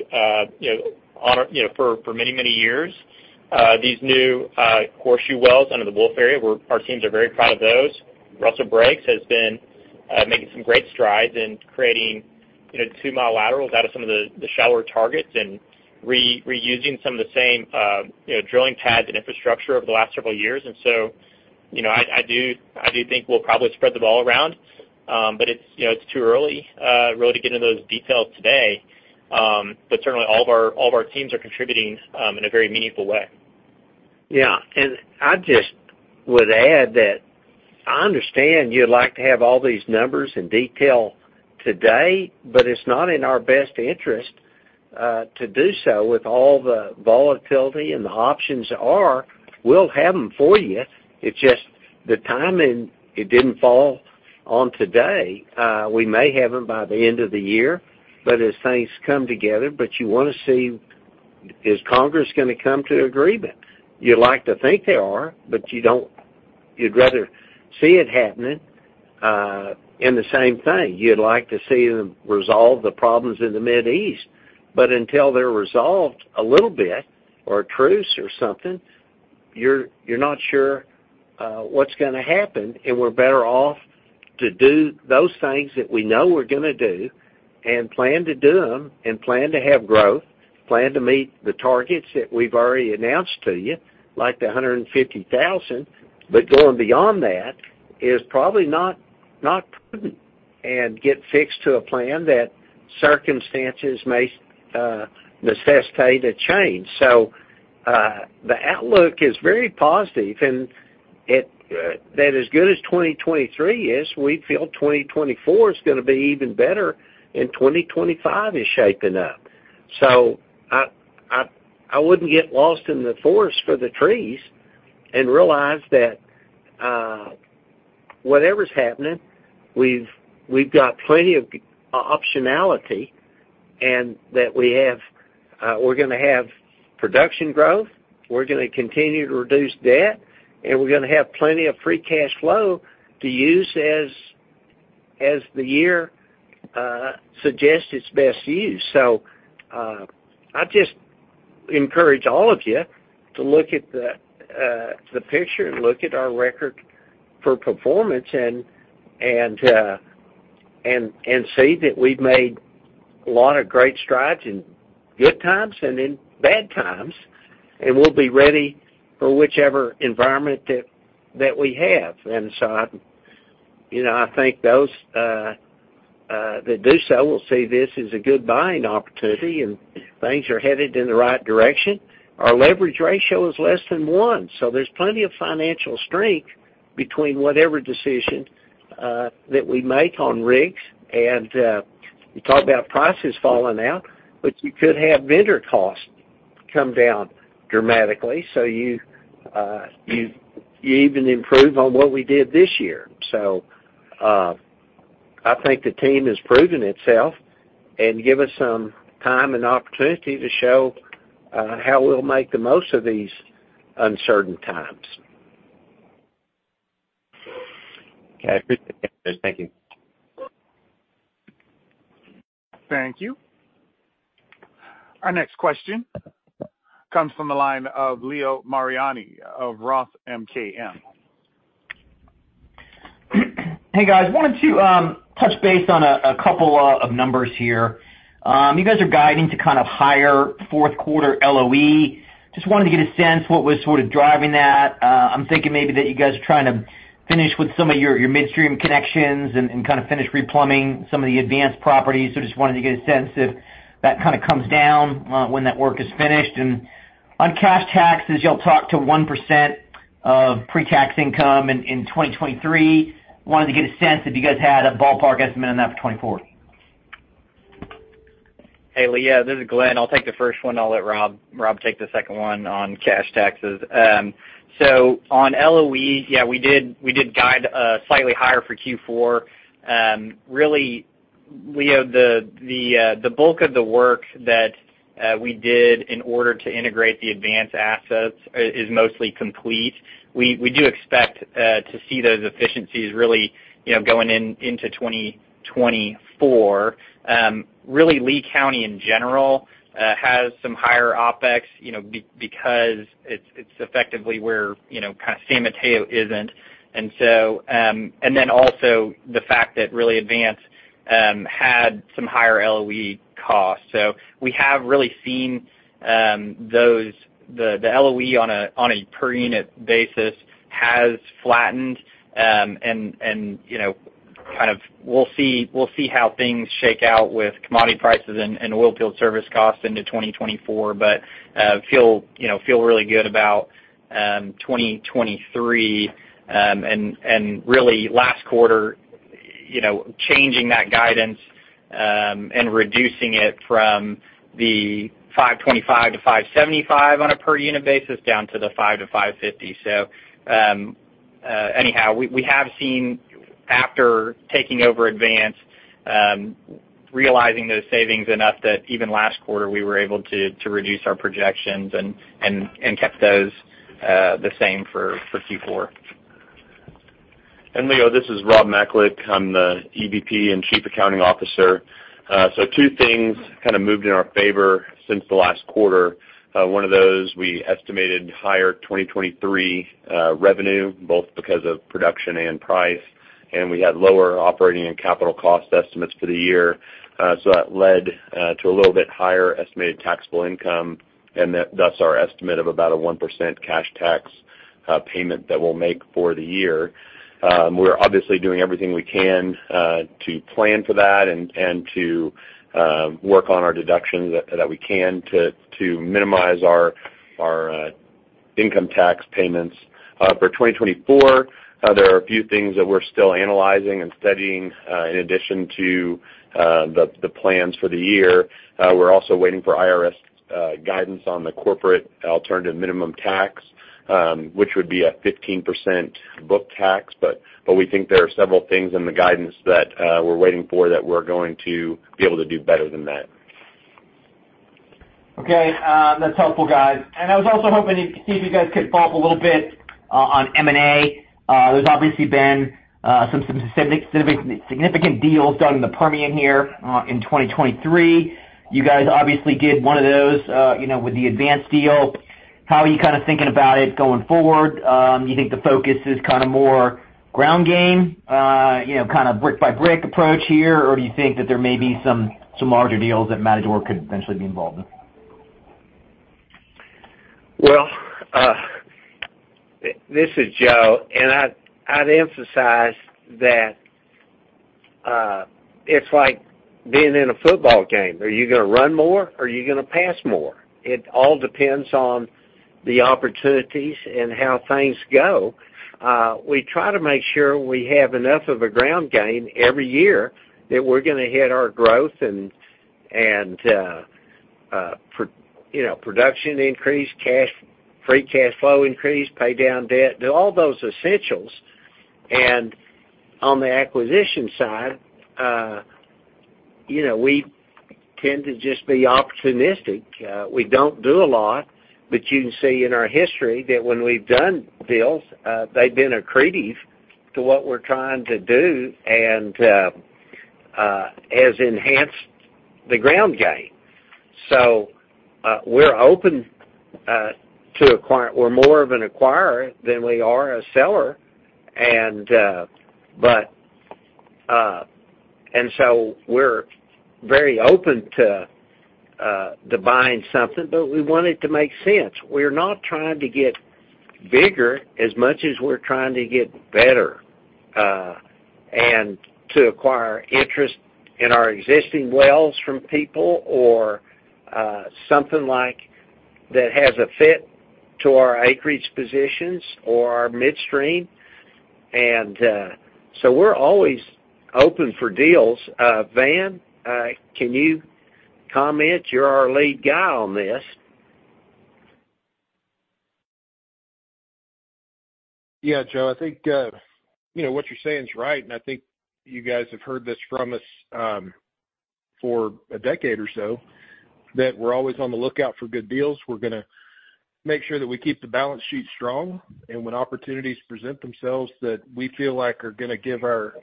you know, for, for many, many years. These new horseshoe wells under the Wolf area, we're, our teams are very proud of those. Russell Briggs has been making some great strides in creating-... You know, 2-mile laterals out of some of the shallower targets and reusing some of the same, you know, drilling pads and infrastructure over the last several years. And so, you know, I, I do, I do think we'll probably spread the ball around. But it's, you know, it's too early, really, to get into those details today. But certainly, all of our, all of our teams are contributing in a very meaningful way. Yeah. And I just would add that I understand you'd like to have all these numbers in detail today, but it's not in our best interest to do so with all the volatility and the options there are. We'll have them for you. It's just the timing, it didn't fall on today. We may have them by the end of the year, but as things come together, but you want to see, is Congress going to come to an agreement? You'd like to think they are, but you don't. You'd rather see it happening. And the same thing, you'd like to see them resolve the problems in the Middle East, but until they're resolved a little bit or a truce or something, you're not sure what's going to happen. And we're better off to do those things that we know we're going to do and plan to do them and plan to have growth, plan to meet the targets that we've already announced to you, like the 150,000. But going beyond that is probably not prudent, and get fixed to a plan that circumstances may necessitate a change. So, the outlook is very positive, and that as good as 2023 is, we feel 2024 is going to be even better, and 2025 is shaping up. So I wouldn't get lost in the forest for the trees and realize that whatever's happening, we've got plenty of optionality and that we have, we're going to have production growth, we're going to continue to reduce debt, and we're going to have plenty of free cash flow to use as the year suggests its best use. So I just encourage all of you to look at the picture and look at our record for performance and see that we've made a lot of great strides in good times and in bad times, and we'll be ready for whichever environment that we have. And so, you know, I think those that do so will see this as a good buying opportunity, and things are headed in the right direction. Our leverage ratio is less than one, so there's plenty of financial strength between whatever decision that we make on rigs. And you talk about prices falling out, but you could have vendor costs come down dramatically. So you even improve on what we did this year. So I think the team has proven itself and give us some time and opportunity to show how we'll make the most of these uncertain times. I appreciate it. Thank you. Thank you. Our next question comes from the line of Leo Mariani of Roth MKM. Hey, guys. Wanted to touch base on a couple of numbers here. You guys are guiding to kind of higher fourth quarter LOE. Just wanted to get a sense what was sort of driving that. I'm thinking maybe that you guys are trying to finish with some of your midstream connections and kind of finish replumbing some of the Advance properties. So just wanted to get a sense if that kind of comes down when that work is finished. And on cash taxes, you all talked to 1% of pretax income in 2023. Wanted to get a sense if you guys had a ballpark estimate on that for 2024. Hey, Leo, this is Glenn. I'll take the first one, I'll let Rob, Rob take the second one on cash taxes. So on LOE, yeah, we did, we did guide slightly higher for Q4. Really, Leo, the bulk of the work that we did in order to integrate the Advance assets is mostly complete. We do expect to see those efficiencies really, you know, going into 2024. Really, Lea County in general has some higher OpEx, you know, because it's effectively where, you know, kind of San Mateo isn't. And so, and then also the fact that really Advance had some higher LOE costs. So we have really seen those, the LOE on a per unit basis has flattened. And you know, kind of we'll see, we'll see how things shake out with commodity prices and oil field service costs into 2024, but feel, you know, feel really good about 2023. And really last quarter, you know, changing that guidance, and reducing it from the $5.25-$5.75 on a per unit basis, down to the $5-$5.50. So, anyhow, we have seen, after taking over Advance, realizing those savings enough that even last quarter, we were able to reduce our projections and kept those the same for Q4. Leo, this is Rob Macalik. I'm the EVP and Chief Accounting Officer. So two things kind of moved in our favor since the last quarter. One of those, we estimated higher 2023 revenue, both because of production and price.... and we had lower operating and capital cost estimates for the year. So that led to a little bit higher estimated taxable income, and then, thus, our estimate of about a 1% cash tax payment that we'll make for the year. We're obviously doing everything we can to plan for that and to work on our deductions that we can to minimize our income tax payments. For 2024, there are a few things that we're still analyzing and studying in addition to the plans for the year. We're also waiting for IRS guidance on the Corporate Alternative Minimum Tax, which would be a 15% book tax. But we think there are several things in the guidance that, we're waiting for that we're going to be able to do better than that. Okay, that's helpful, guys. I was also hoping to see if you guys could follow up a little bit on M&A. There's obviously been some significant deals done in the Permian here in 2023. You guys obviously did one of those, you know, with the Advance deal. How are you kind of thinking about it going forward? Do you think the focus is kind of more ground game, you know, kind of brick by brick approach here? Or do you think that there may be some larger deals that Matador could eventually be involved in? Well, this is Joe, and I'd emphasize that it's like being in a football game. Are you going to run more, or are you going to pass more? It all depends on the opportunities and how things go. We try to make sure we have enough of a ground game every year that we're going to hit our growth and production increase, you know, cash free cash flow increase, pay down debt, do all those essentials. And on the acquisition side, you know, we tend to just be opportunistic. We don't do a lot, but you can see in our history that when we've done deals, they've been accretive to what we're trying to do and has enhanced the ground game. So, we're open to acquire... We're more of an acquirer than we are a seller. But we're very open to buying something, but we want it to make sense. We're not trying to get bigger as much as we're trying to get better, and to acquire interest in our existing wells from people or something like that has a fit to our acreage positions or our midstream. So we're always open for deals. Van, can you comment? You're our lead guy on this. Yeah, Joe, I think, you know, what you're saying is right, and I think you guys have heard this from us, for a decade or so, that we're always on the lookout for good deals. We're gonna make sure that we keep the balance sheet strong, and when opportunities present themselves that we feel like are going to give our,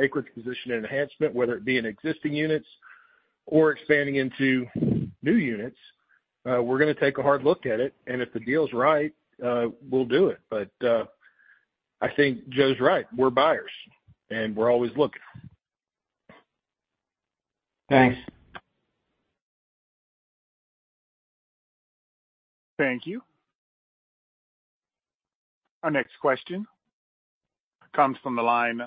acreage position an enhancement, whether it be in existing units or expanding into new units, we're going to take a hard look at it, and if the deal is right, we'll do it. But, I think Joe's right. We're buyers, and we're always looking. Thanks. Thank you. Our next question comes from the line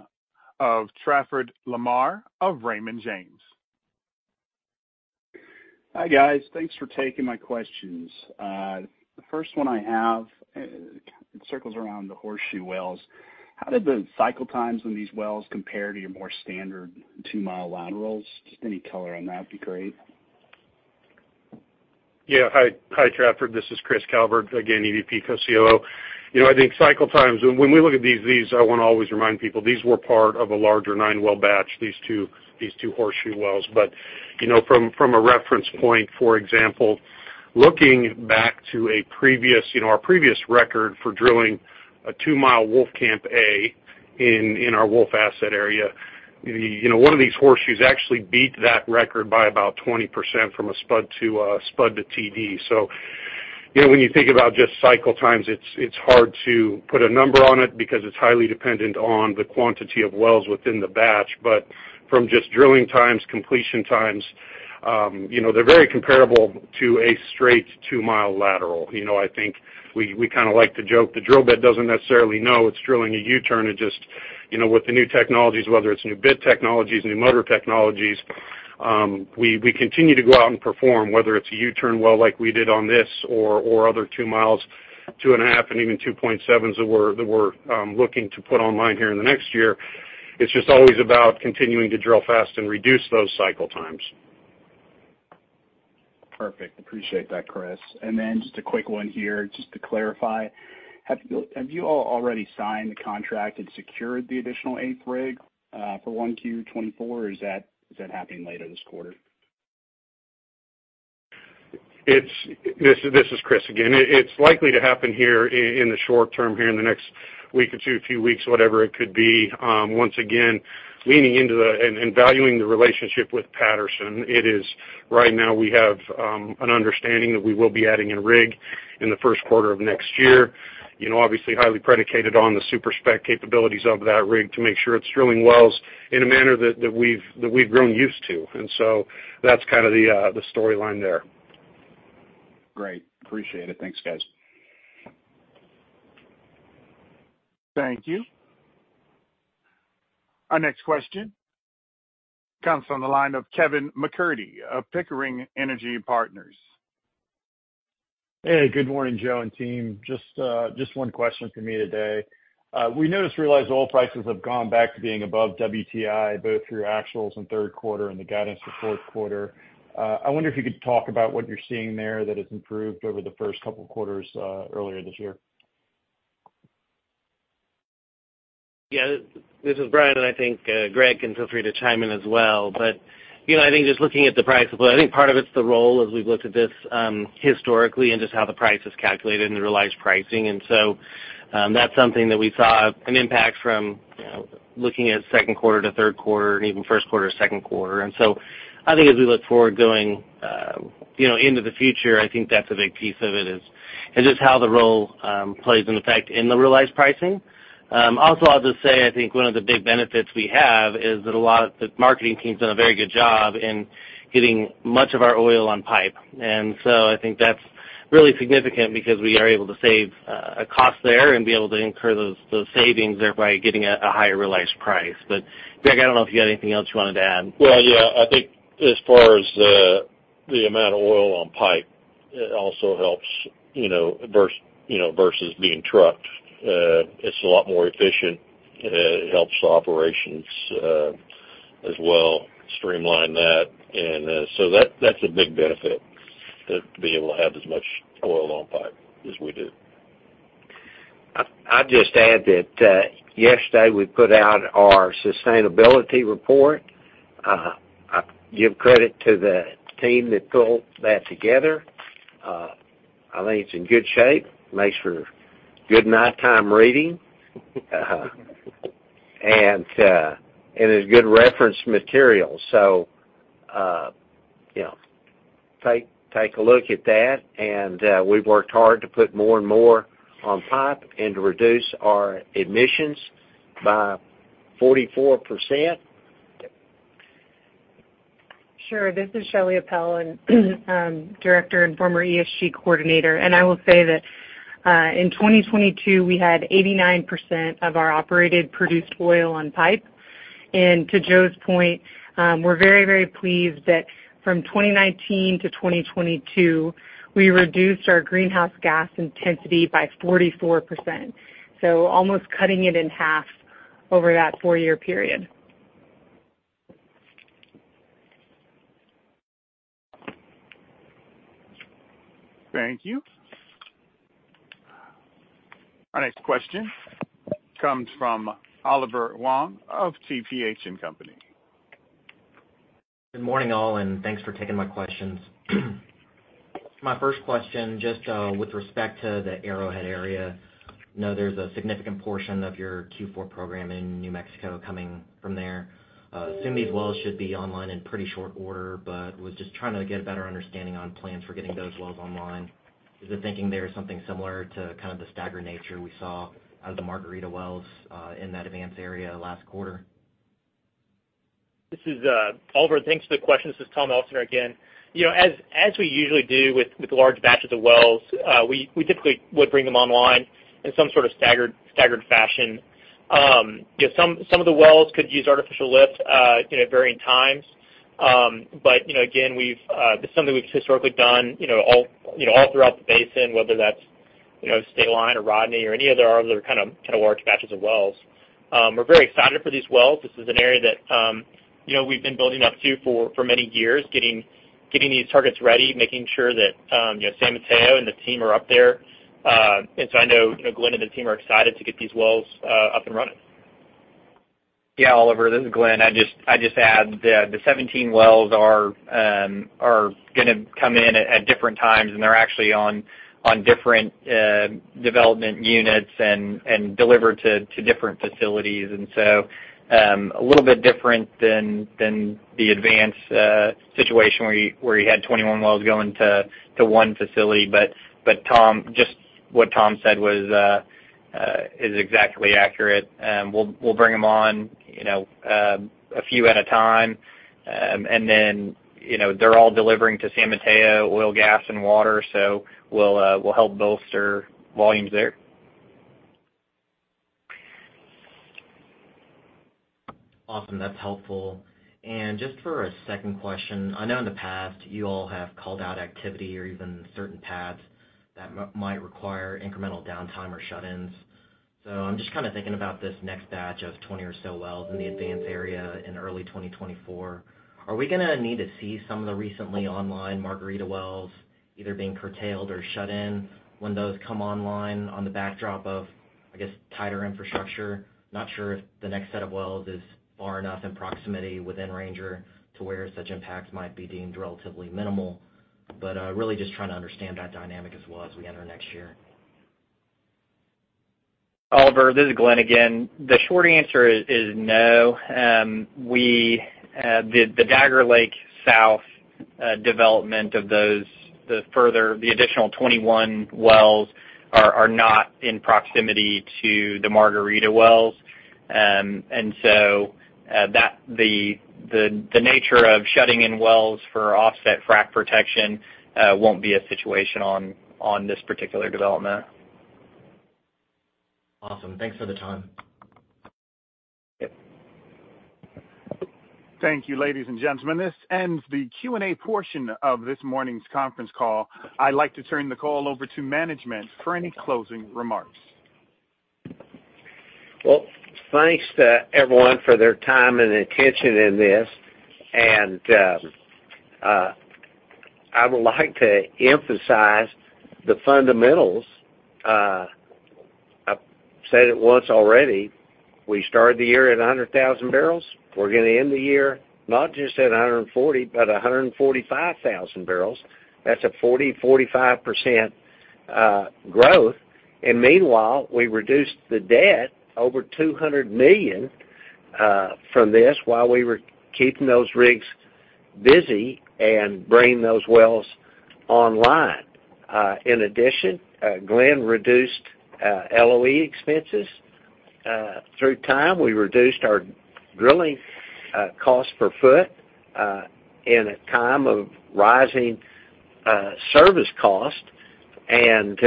of Trafford Lamar of Raymond James. Hi, guys. Thanks for taking my questions. The first one I have, it circles around the Horseshoe wells. How did the cycle times on these wells compare to your more standard 2-mile laterals? Just any color on that would be great. Yeah. Hi. Hi, Trafford. This is Chris Calvert, again, EVP, COO. You know, I think cycle times, when we look at these, these, I want to always remind people, these were part of a larger 9-well batch, these two, these two Horseshoe wells. But, you know, from, from a reference point, for example, looking back to a previous, you know, our previous record for drilling a 2-mile Wolfcamp A in, in our Wolf asset area, you know, one of these Horseshoes actually beat that record by about 20% from a spud to spud to TD. So, you know, when you think about just cycle times, it's, it's hard to put a number on it because it's highly dependent on the quantity of wells within the batch. But from just drilling times, completion times, you know, they're very comparable to a straight 2-mile lateral. You know, I think we kind of like to joke, the drill bit doesn't necessarily know it's drilling a U-turn. It just, you know, with the new technologies, whether it's new bit technologies, new motor technologies, we continue to go out and perform, whether it's a U-turn well like we did on this or other 2 miles, 2.5, and even 2.7s that we're looking to put online here in the next year. It's just always about continuing to drill fast and reduce those cycle times. Perfect. Appreciate that, Chris. And then just a quick one here, just to clarify: Have you all already signed the contract and secured the additional eighth rig for 1Q 2024, or is that happening later this quarter? This is Chris again. It's likely to happen here in the short term, here in the next week or two, few weeks, whatever it could be. Once again, leaning into and valuing the relationship with Patterson, it is right now we have an understanding that we will be adding a rig in the first quarter of next year.... you know, obviously highly predicated on the super-spec capabilities of that rig to make sure it's drilling wells in a manner that we've grown used to. And so that's kind of the storyline there. Great. Appreciate it. Thanks, guys. Thank you. Our next question comes from the line of Kevin McCurdy of Pickering Energy Partners. Hey, good morning, Joe and team. Just, just one question for me today. We noticed realized oil prices have gone back to being above WTI, both through actuals in third quarter and the guidance for fourth quarter. I wonder if you could talk about what you're seeing there that has improved over the first couple of quarters, earlier this year. Yeah, this is Brian, and I think Gregg can feel free to chime in as well. But, you know, I think just looking at the price of oil, I think part of it's the role as we've looked at this historically, and just how the price is calculated and the realized pricing. And so, that's something that we saw an impact from, you know, looking at second quarter to third quarter and even first quarter to second quarter. And so I think as we look forward going, you know, into the future, I think that's a big piece of it, is just how the role plays an effect in the realized pricing. Also, I'll just say, I think one of the big benefits we have is that a lot of the marketing team's done a very good job in getting much of our oil on pipe. And so I think that's really significant because we are able to save a cost there and be able to incur those savings there by getting a higher realized price. But Gregg, I don't know if you have anything else you wanted to add. Well, yeah, I think as far as the amount of oil on pipe, it also helps, you know, versus, you know, versus being trucked. It's a lot more efficient. It helps operations, as well, streamline that. And so that's a big benefit, to be able to have as much oil on pipe as we do. I'll just add that, yesterday, we put out our sustainability report. I give credit to the team that pulled that together. I think it's in good shape. Makes for good nighttime reading. And it's good reference material. So, you know, take a look at that. And we've worked hard to put more and more on pipe and to reduce our emissions by 44%. Sure. This is Shelley Appel, and Director and former ESG Coordinator. I will say that in 2022, we had 89% of our operated produced oil on pipe. And to Joe's point, we're very, very pleased that from 2019 to 2022, we reduced our greenhouse gas intensity by 44%, so almost cutting it in half over that four-year period. Thank you. Our next question comes from Oliver Huang of TPH & Company. Good morning, all, and thanks for taking my questions. My first question, just, with respect to the Arrowhead area. I know there's a significant portion of your Q4 program in New Mexico coming from there. Assume these wells should be online in pretty short order, but was just trying to get a better understanding on plans for getting those wells online. Is the thinking there something similar to kind of the staggered nature we saw out of the Margarita wells, in that Advance area last quarter? This is, Oliver, thanks for the question. This is Tom Elsener again. You know, as we usually do with large batches of wells, we typically would bring them online in some sort of staggered fashion. You know, some of the wells could use artificial lift, you know, at varying times. But, you know, again, this is something we've historically done, you know, all throughout the basin, whether that's, you know, Stateline or Rodney or any other areas that are kind of large batches of wells. We're very excited for these wells. This is an area that, you know, we've been building up to for many years, getting these targets ready, making sure that, you know, San Mateo and the team are up there. And so I know, you know, Glenn and the team are excited to get these wells up and running. Yeah, Oliver, this is Glenn. I'd just add that the 17 wells are gonna come in at different times, and they're actually on different development units and delivered to different facilities. And so, a little bit different than the Advance situation where you had 21 wells going to one facility. But Tom, just what Tom said was is exactly accurate. We'll bring them on, you know, a few at a time. And then, you know, they're all delivering to San Mateo, oil, gas, and water, so we'll help bolster volumes there. Awesome. That's helpful. And just for a second question, I know in the past, you all have called out activity or even certain pads that might require incremental downtime or shut-ins. So I'm just kind of thinking about this next batch of 20 or so wells in the Advance area in early 2024. Are we gonna need to see some of the recently online Margarita wells either being curtailed or shut in when those come online on the backdrop of, I guess, tighter infrastructure? Not sure if the next set of wells is far enough in proximity within Ranger to where such impacts might be deemed relatively minimal, but, really just trying to understand that dynamic as well as we enter next year.... Oliver, this is Glenn again. The short answer is, is no. We, the Dagger Lake South development of those, the further, the additional 21 wells are, are not in proximity to the Margarita wells. And so, that, the nature of shutting in wells for offset frack protection won't be a situation on this particular development. Awesome. Thanks for the time. Yep. Thank you, ladies and gentlemen. This ends the Q&A portion of this morning's conference call. I'd like to turn the call over to management for any closing remarks. Well, thanks to everyone for their time and attention in this. I would like to emphasize the fundamentals. I've said it once already, we started the year at 100,000 barrels. We're gonna end the year not just at 140, but 145,000 barrels. That's a 40-45% growth. And meanwhile, we reduced the debt over $200 million from this while we were keeping those rigs busy and bringing those wells online. In addition, Glenn reduced LOE expenses. Through time, we reduced our drilling cost per foot in a time of rising service cost, and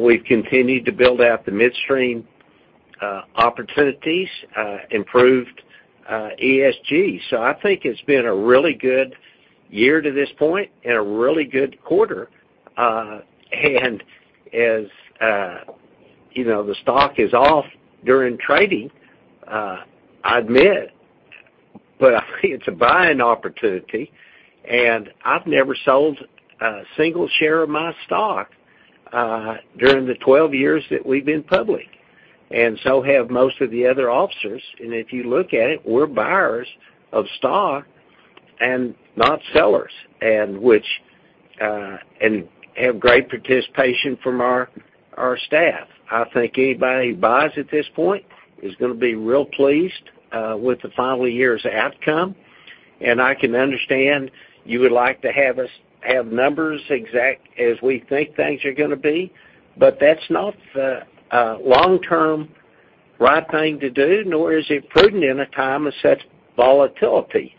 we've continued to build out the midstream opportunities, improved ESG. So I think it's been a really good year to this point and a really good quarter. As you know, the stock is off during trading. I admit, but I think it's a buying opportunity, and I've never sold a single share of my stock during the 12 years that we've been public, and so have most of the other officers. If you look at it, we're buyers of stock and not sellers, and which and have great participation from our staff. I think anybody who buys at this point is gonna be real pleased with the final year's outcome. I can understand you would like to have us have numbers exact as we think things are gonna be, but that's not the long-term right thing to do, nor is it prudent in a time of such volatility.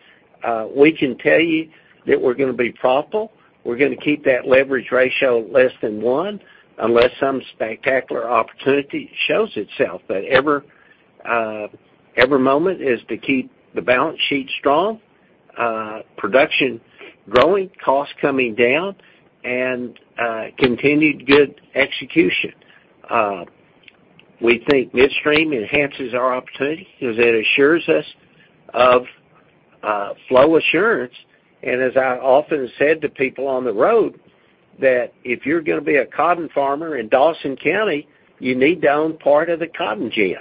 We can tell you that we're gonna be profitable. We're gonna keep that leverage ratio less than one, unless some spectacular opportunity shows itself. But ever, every moment is to keep the balance sheet strong, production growing, costs coming down, and, continued good execution. We think midstream enhances our opportunity because it assures us of, flow assurance. And as I often said to people on the road, that if you're gonna be a cotton farmer in Dawson County, you need to own part of the cotton gin.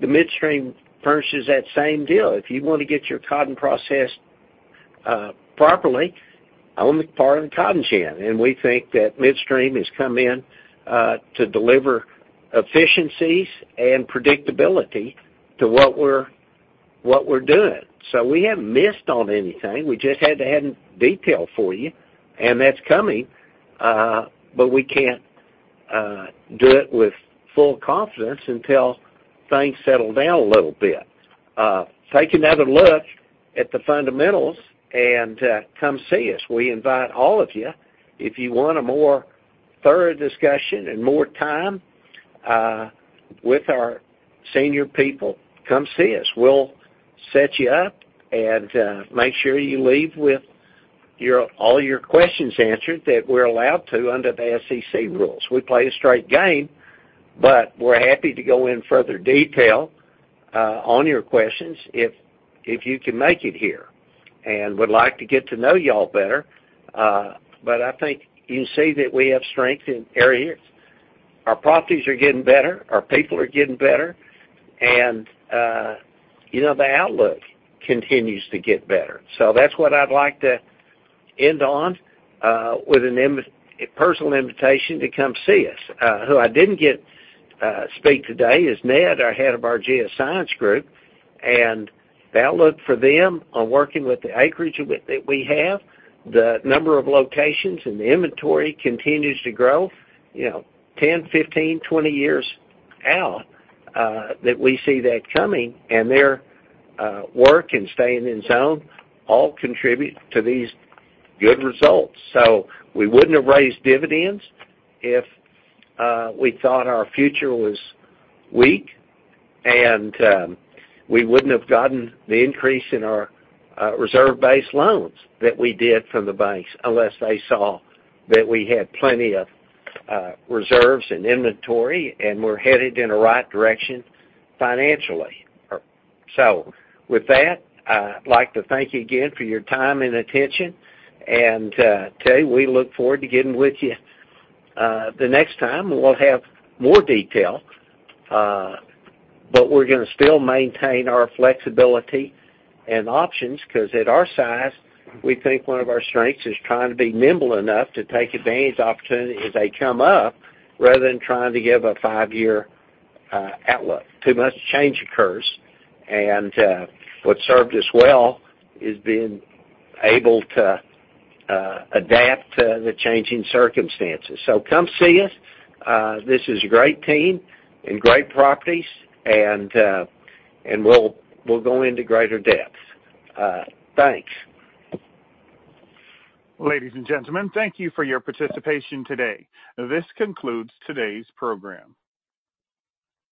The midstream purchase is that same deal. If you want to get your cotton processed, properly, own part of the cotton gin. And we think that midstream has come in, to deliver efficiencies and predictability to what we're doing. So we haven't missed on anything. We just had to have detail for you, and that's coming, but we can't do it with full confidence until things settle down a little bit. Take another look at the fundamentals and come see us. We invite all of you. If you want a more thorough discussion and more time with our senior people, come see us. We'll set you up and make sure you leave with your all your questions answered, that we're allowed to under the SEC rules. We play a straight game, but we're happy to go in further detail on your questions if you can make it here, and would like to get to know you all better. But I think you can see that we have strength in areas. Our properties are getting better, our people are getting better, and, you know, the outlook continues to get better. So that's what I'd like to end on, with a personal invitation to come see us. Who I didn't get speak today is Ned, our head of our geoscience group, and the outlook for them on working with the acreage that we, that we have, the number of locations, and the inventory continues to grow, you know, 10, 15, 20 years out, that we see that coming, and their work and staying in zone all contribute to these good results. So we wouldn't have raised dividends if we thought our future was weak, and we wouldn't have gotten the increase in our reserve-based loans that we did from the banks unless they saw that we had plenty of reserves and inventory, and we're headed in the right direction financially. So with that, I'd like to thank you again for your time and attention, and today, we look forward to getting with you the next time. We'll have more detail, but we're gonna still maintain our flexibility and options, 'cause at our size, we think one of our strengths is trying to be nimble enough to take advantage of opportunities as they come up, rather than trying to give a five-year outlook. Too much change occurs, and what served us well is being able to adapt to the changing circumstances. Come see us. This is a great team and great properties, and we'll go into greater depth. Thanks. Ladies and gentlemen, thank you for your participation today. This concludes today's program.